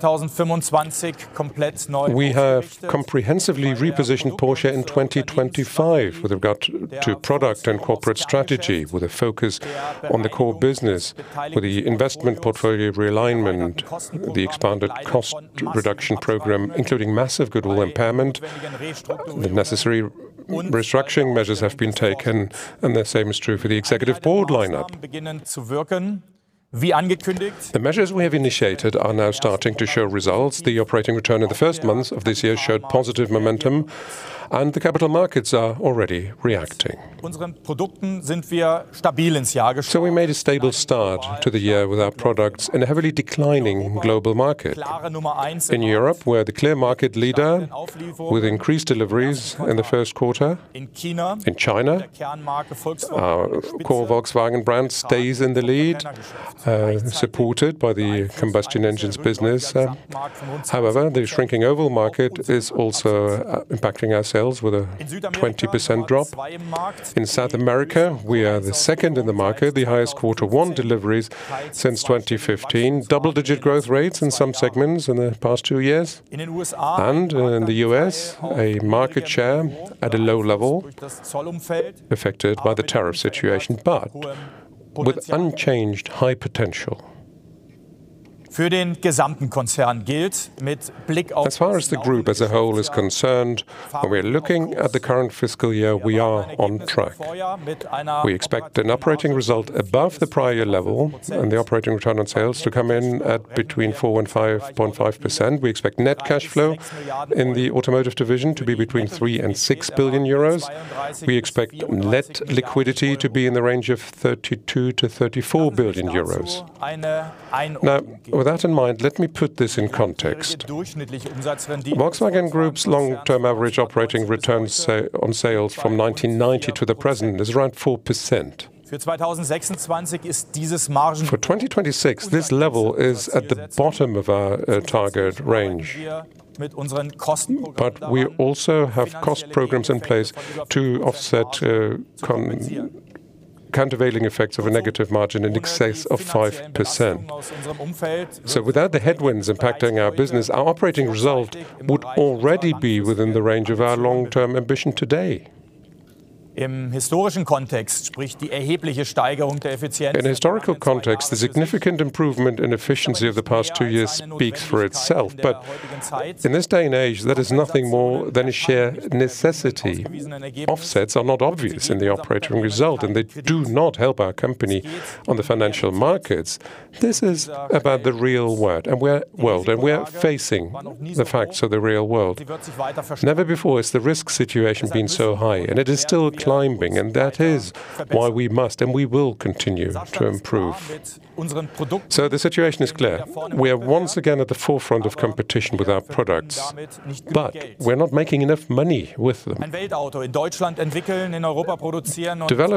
S3: repositioned Porsche in 2025 with regard to product and corporate strategy, with a focus on the core business, with the investment portfolio realignment, the expanded cost reduction program, including massive goodwill impairment. The necessary restructuring measures have been taken, the same is true for the Executive Board lineup. The measures we have initiated are now starting to show results. The operating return in the first months of this year showed positive momentum, and the capital markets are already reacting. We made a stable start to the year with our products in a heavily declining global market. In Europe, we're the clear market leader with increased deliveries in the first quarter. In China, our core Volkswagen brand stays in the lead, supported by the combustion engines business. However, the shrinking overall market is also impacting our sales with a 20% drop. In South America, we are the second in the market, the highest quarter-one deliveries since 2015. Double-digit growth rates in some segments in the past two years. In the U.S., a market share at a low level, affected by the tariff situation, but with unchanged high potential. As far as the group as a whole is concerned, when we're looking at the current fiscal year, we are on track. We expect an operating result above the prior level and the operating return on sales to come in at between 4% and 5.5%. We expect net cash flow in the Automotive Division to be between 3 billion and 6 billion euros. We expect net liquidity to be in the range of 32 billion-34 billion euros. With that in mind, let me put this in context. Volkswagen Group's long-term average Operating Returns on Sales from 1990 to the present is around 4%. For 2026, this level is at the bottom of our target range, but we also have cost programs in place to offset countervailing effects of a negative margin in excess of 5%. Without the headwinds impacting our business, our Operating Result would already be within the range of our long-term ambition today. In historical context, the significant improvement in efficiency of the past two years speaks for itself, but in this day and age, that is nothing more than a sheer necessity. Offsets are not obvious in the Operating Result, and they do not help our company on the financial markets. This is about the real world, and we are facing the facts of the real world. Never before has the risk situation been so high, and it is still climbing, and that is why we must, and we will continue to improve. The situation is clear, we are once again at the forefront of competition with our products, but we're not making enough money with them. Develop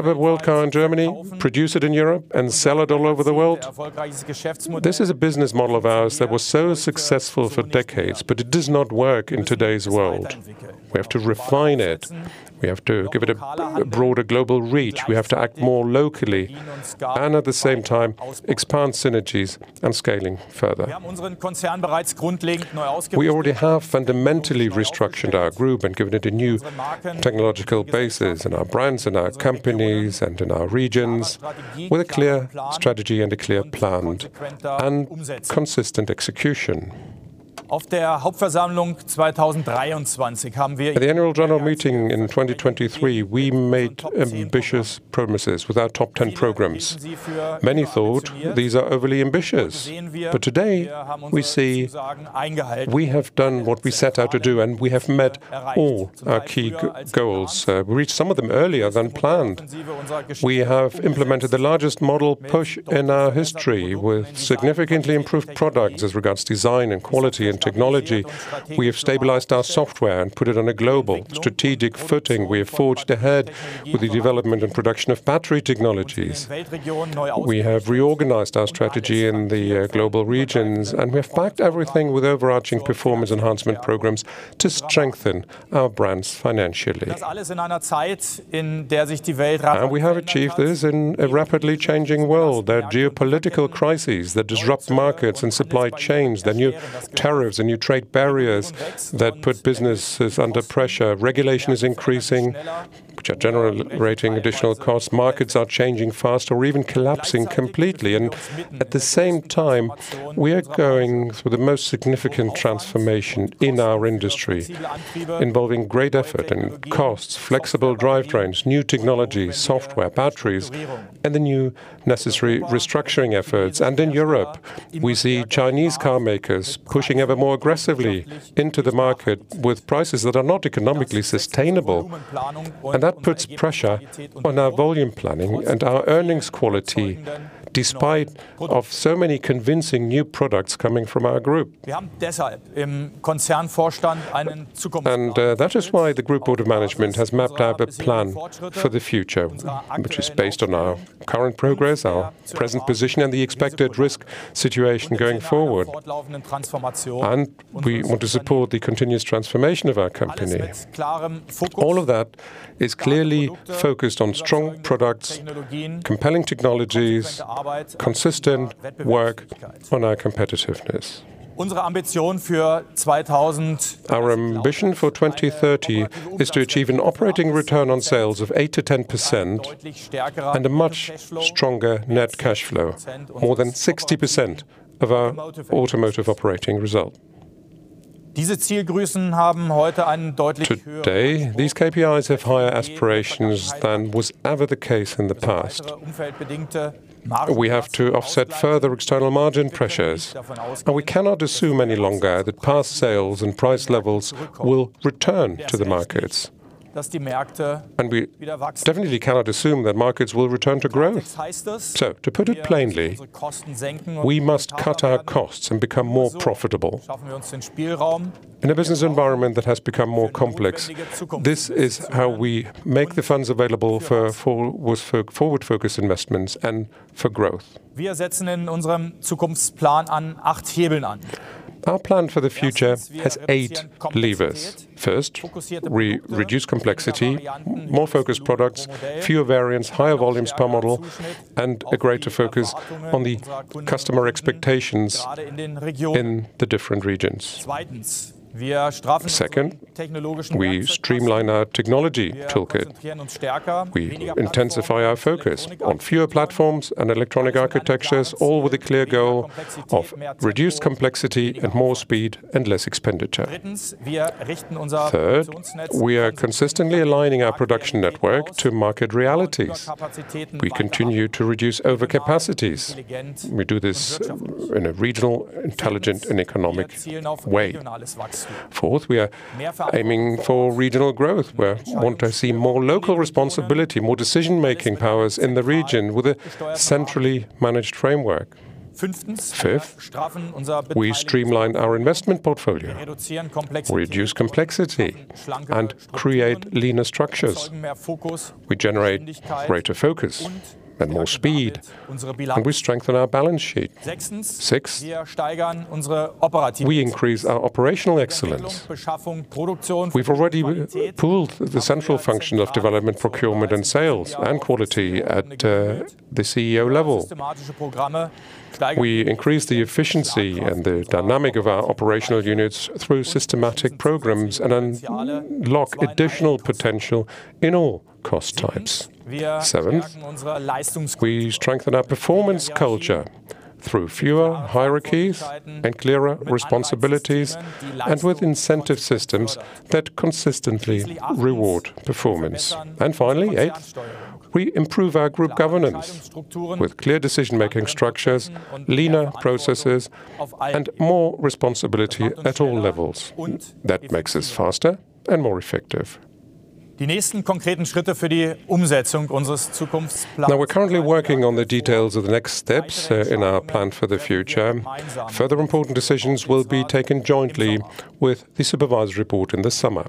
S3: a world car in Germany, produce it in Europe, and sell it all over the world. This is a business model of ours that was so successful for decades, but it does not work in today's world. We have to refine it. We have to give it a broader global reach. We have to act more locally, and at the same time, expand synergies and scaling further. We already have fundamentally restructured our group and given it a new technological basis in our brands and our companies and in our regions with a clear strategy and a clear plan and consistent execution. At the Annual General Meeting in 2023, we made ambitious promises with our top 10 programs. Many thought these are overly ambitious, but today we see we have done what we set out to do, and we have met all our key goals. We reached some of them earlier than planned. We have implemented the largest model push in our history, with significantly improved products as regards design and quality and technology. We have stabilized our software and put it on a global strategic footing. We have forged ahead with the development and production of battery technologies. We have reorganized our strategy in the global regions, and we have backed everything with overarching performance enhancement programs to strengthen our brands financially. We have achieved this in a rapidly changing world. There are geopolitical crises that disrupt markets and supply chains, the new tariffs and new trade barriers that put businesses under pressure. Regulation is increasing, which are generating additional costs. Markets are changing fast or even collapsing completely, and at the same time, we are going through the most significant transformation in our industry, involving great effort and costs, flexible drivetrains, new technologies, softwares, batteries, and the new necessary restructuring efforts. In Europe, we see Chinese carmakers pushing ever more aggressively into the market with prices that are not economically sustainable. That puts pressure on our volume planning and our earnings quality, despite of so many convincing new products coming from our group. That is why the Group Board of Management has mapped out a plan for the future, which is based on our current progress, our present position, and the expected risk situation going forward. We want to support the continuous transformation of our company. All of that is clearly focused on strong products, compelling technologies, consistent work on our competitiveness. Our ambition for 2030 is to achieve an operating return on sales of 8%-10%, and a much stronger net cash flow, more than 60% of our Automotive Operating Result. Today, these KPIs have higher aspirations than was ever the case in the past. We have to offset further external margin pressures, and we cannot assume any longer that past sales and price levels will return to the markets. We definitely cannot assume that markets will return to growth. To put it plainly, we must cut our costs and become more profitable. In a business environment that has become more complex, this is how we make the funds available for forward-focused investments and for growth. Our plan for the future has eight levers. First, we reduce complexity, more focused products, fewer variants, higher volumes per model, and a greater focus on the customer expectations in the different regions. Second, we streamline our technology toolkit. We intensify our focus on fewer platforms and electronic architectures, all with a clear goal of reduced complexity and more speed and less expenditure. Third, we are consistently aligning our production network to market realities. We continue to reduce overcapacities, and we do this in a regional, intelligent, and economic way. Fourth, we are aiming for regional growth. We want to see more local responsibility, more decision-making powers in the region with a centrally managed framework. Fifth, we streamline our investment portfolio. We reduce complexity and create leaner structures. We generate greater focus and more speed, and we strengthen our balance sheet. Six, we increase our operational excellence. We've already pooled the central function of development, procurement, and sales, and quality at the CEO level. We increase the efficiency and the dynamic of our operational units through systematic programs and unlock additional potential in all cost types. Seventh, we strengthen our performance culture through fewer hierarchies and clearer responsibilities, and with incentive systems that consistently reward performance. Finally, eight, we improve our group governance with clear decision-making structures, leaner processes, and more responsibility at all levels. That makes us faster and more effective. Now, we're currently working on the details of the next steps in our plan for the future. Further important decisions will be taken jointly with the Supervisory Board in the summer.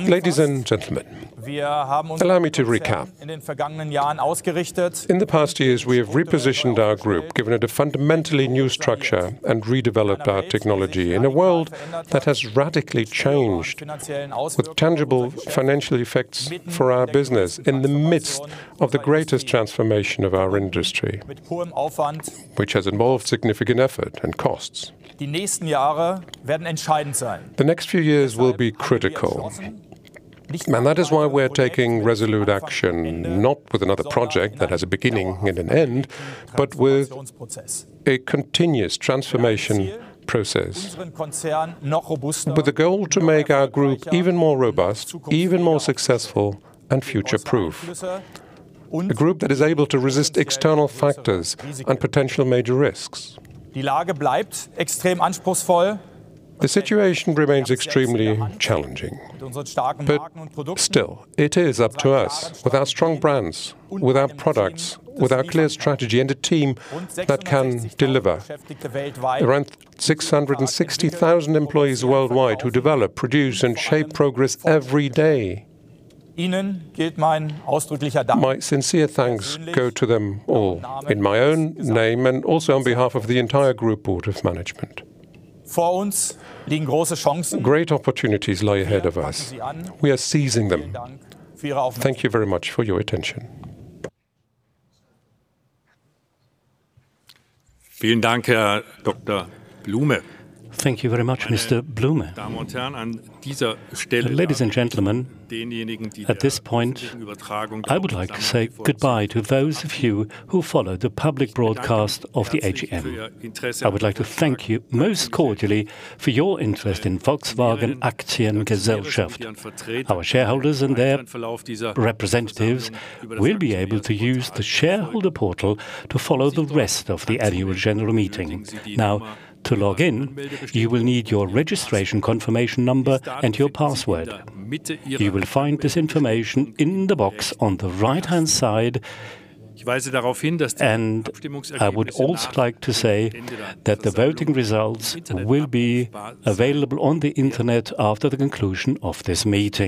S3: Ladies and gentlemen, allow me to recap. In the past years, we have repositioned our group, given it a fundamentally new structure, and redeveloped our technology in a world that has radically changed with tangible financial effects for our business in the midst of the greatest transformation of our industry, which has involved significant effort and costs. The next few years will be critical. That is why we're taking resolute action, not with another project that has a beginning and an end, but with a continuous transformation process, with a goal to make our group even more robust, even more successful, and future-proof. A group that is able to resist external factors and potential major risks. The situation remains extremely challenging, still, it is up to us with our strong brands, with our products, with our clear strategy and a team that can deliver. Around 660,000 employees worldwide who develop, produce, and shape progress every day. My sincere thanks go to them all in my own name and also on behalf of the entire Group Board of Management. Great opportunities lie ahead of us. We are seizing them. Thank you very much for your attention.
S1: Thank you very much, Mr. Blume. Ladies and gentlemen, at this point, I would like to say goodbye to those of you who follow the public broadcast of the AGM. I would like to thank you most cordially for your interest in Volkswagen Aktiengesellschaft. Our shareholders and their representatives will be able to use the shareholder portal to follow the rest of the Annual General Meeting. To log in, you will need your registration confirmation number and your password. You will find this information in the box on the right-hand side, and I would also like to say that the voting results will be available on the internet after the conclusion of this meeting.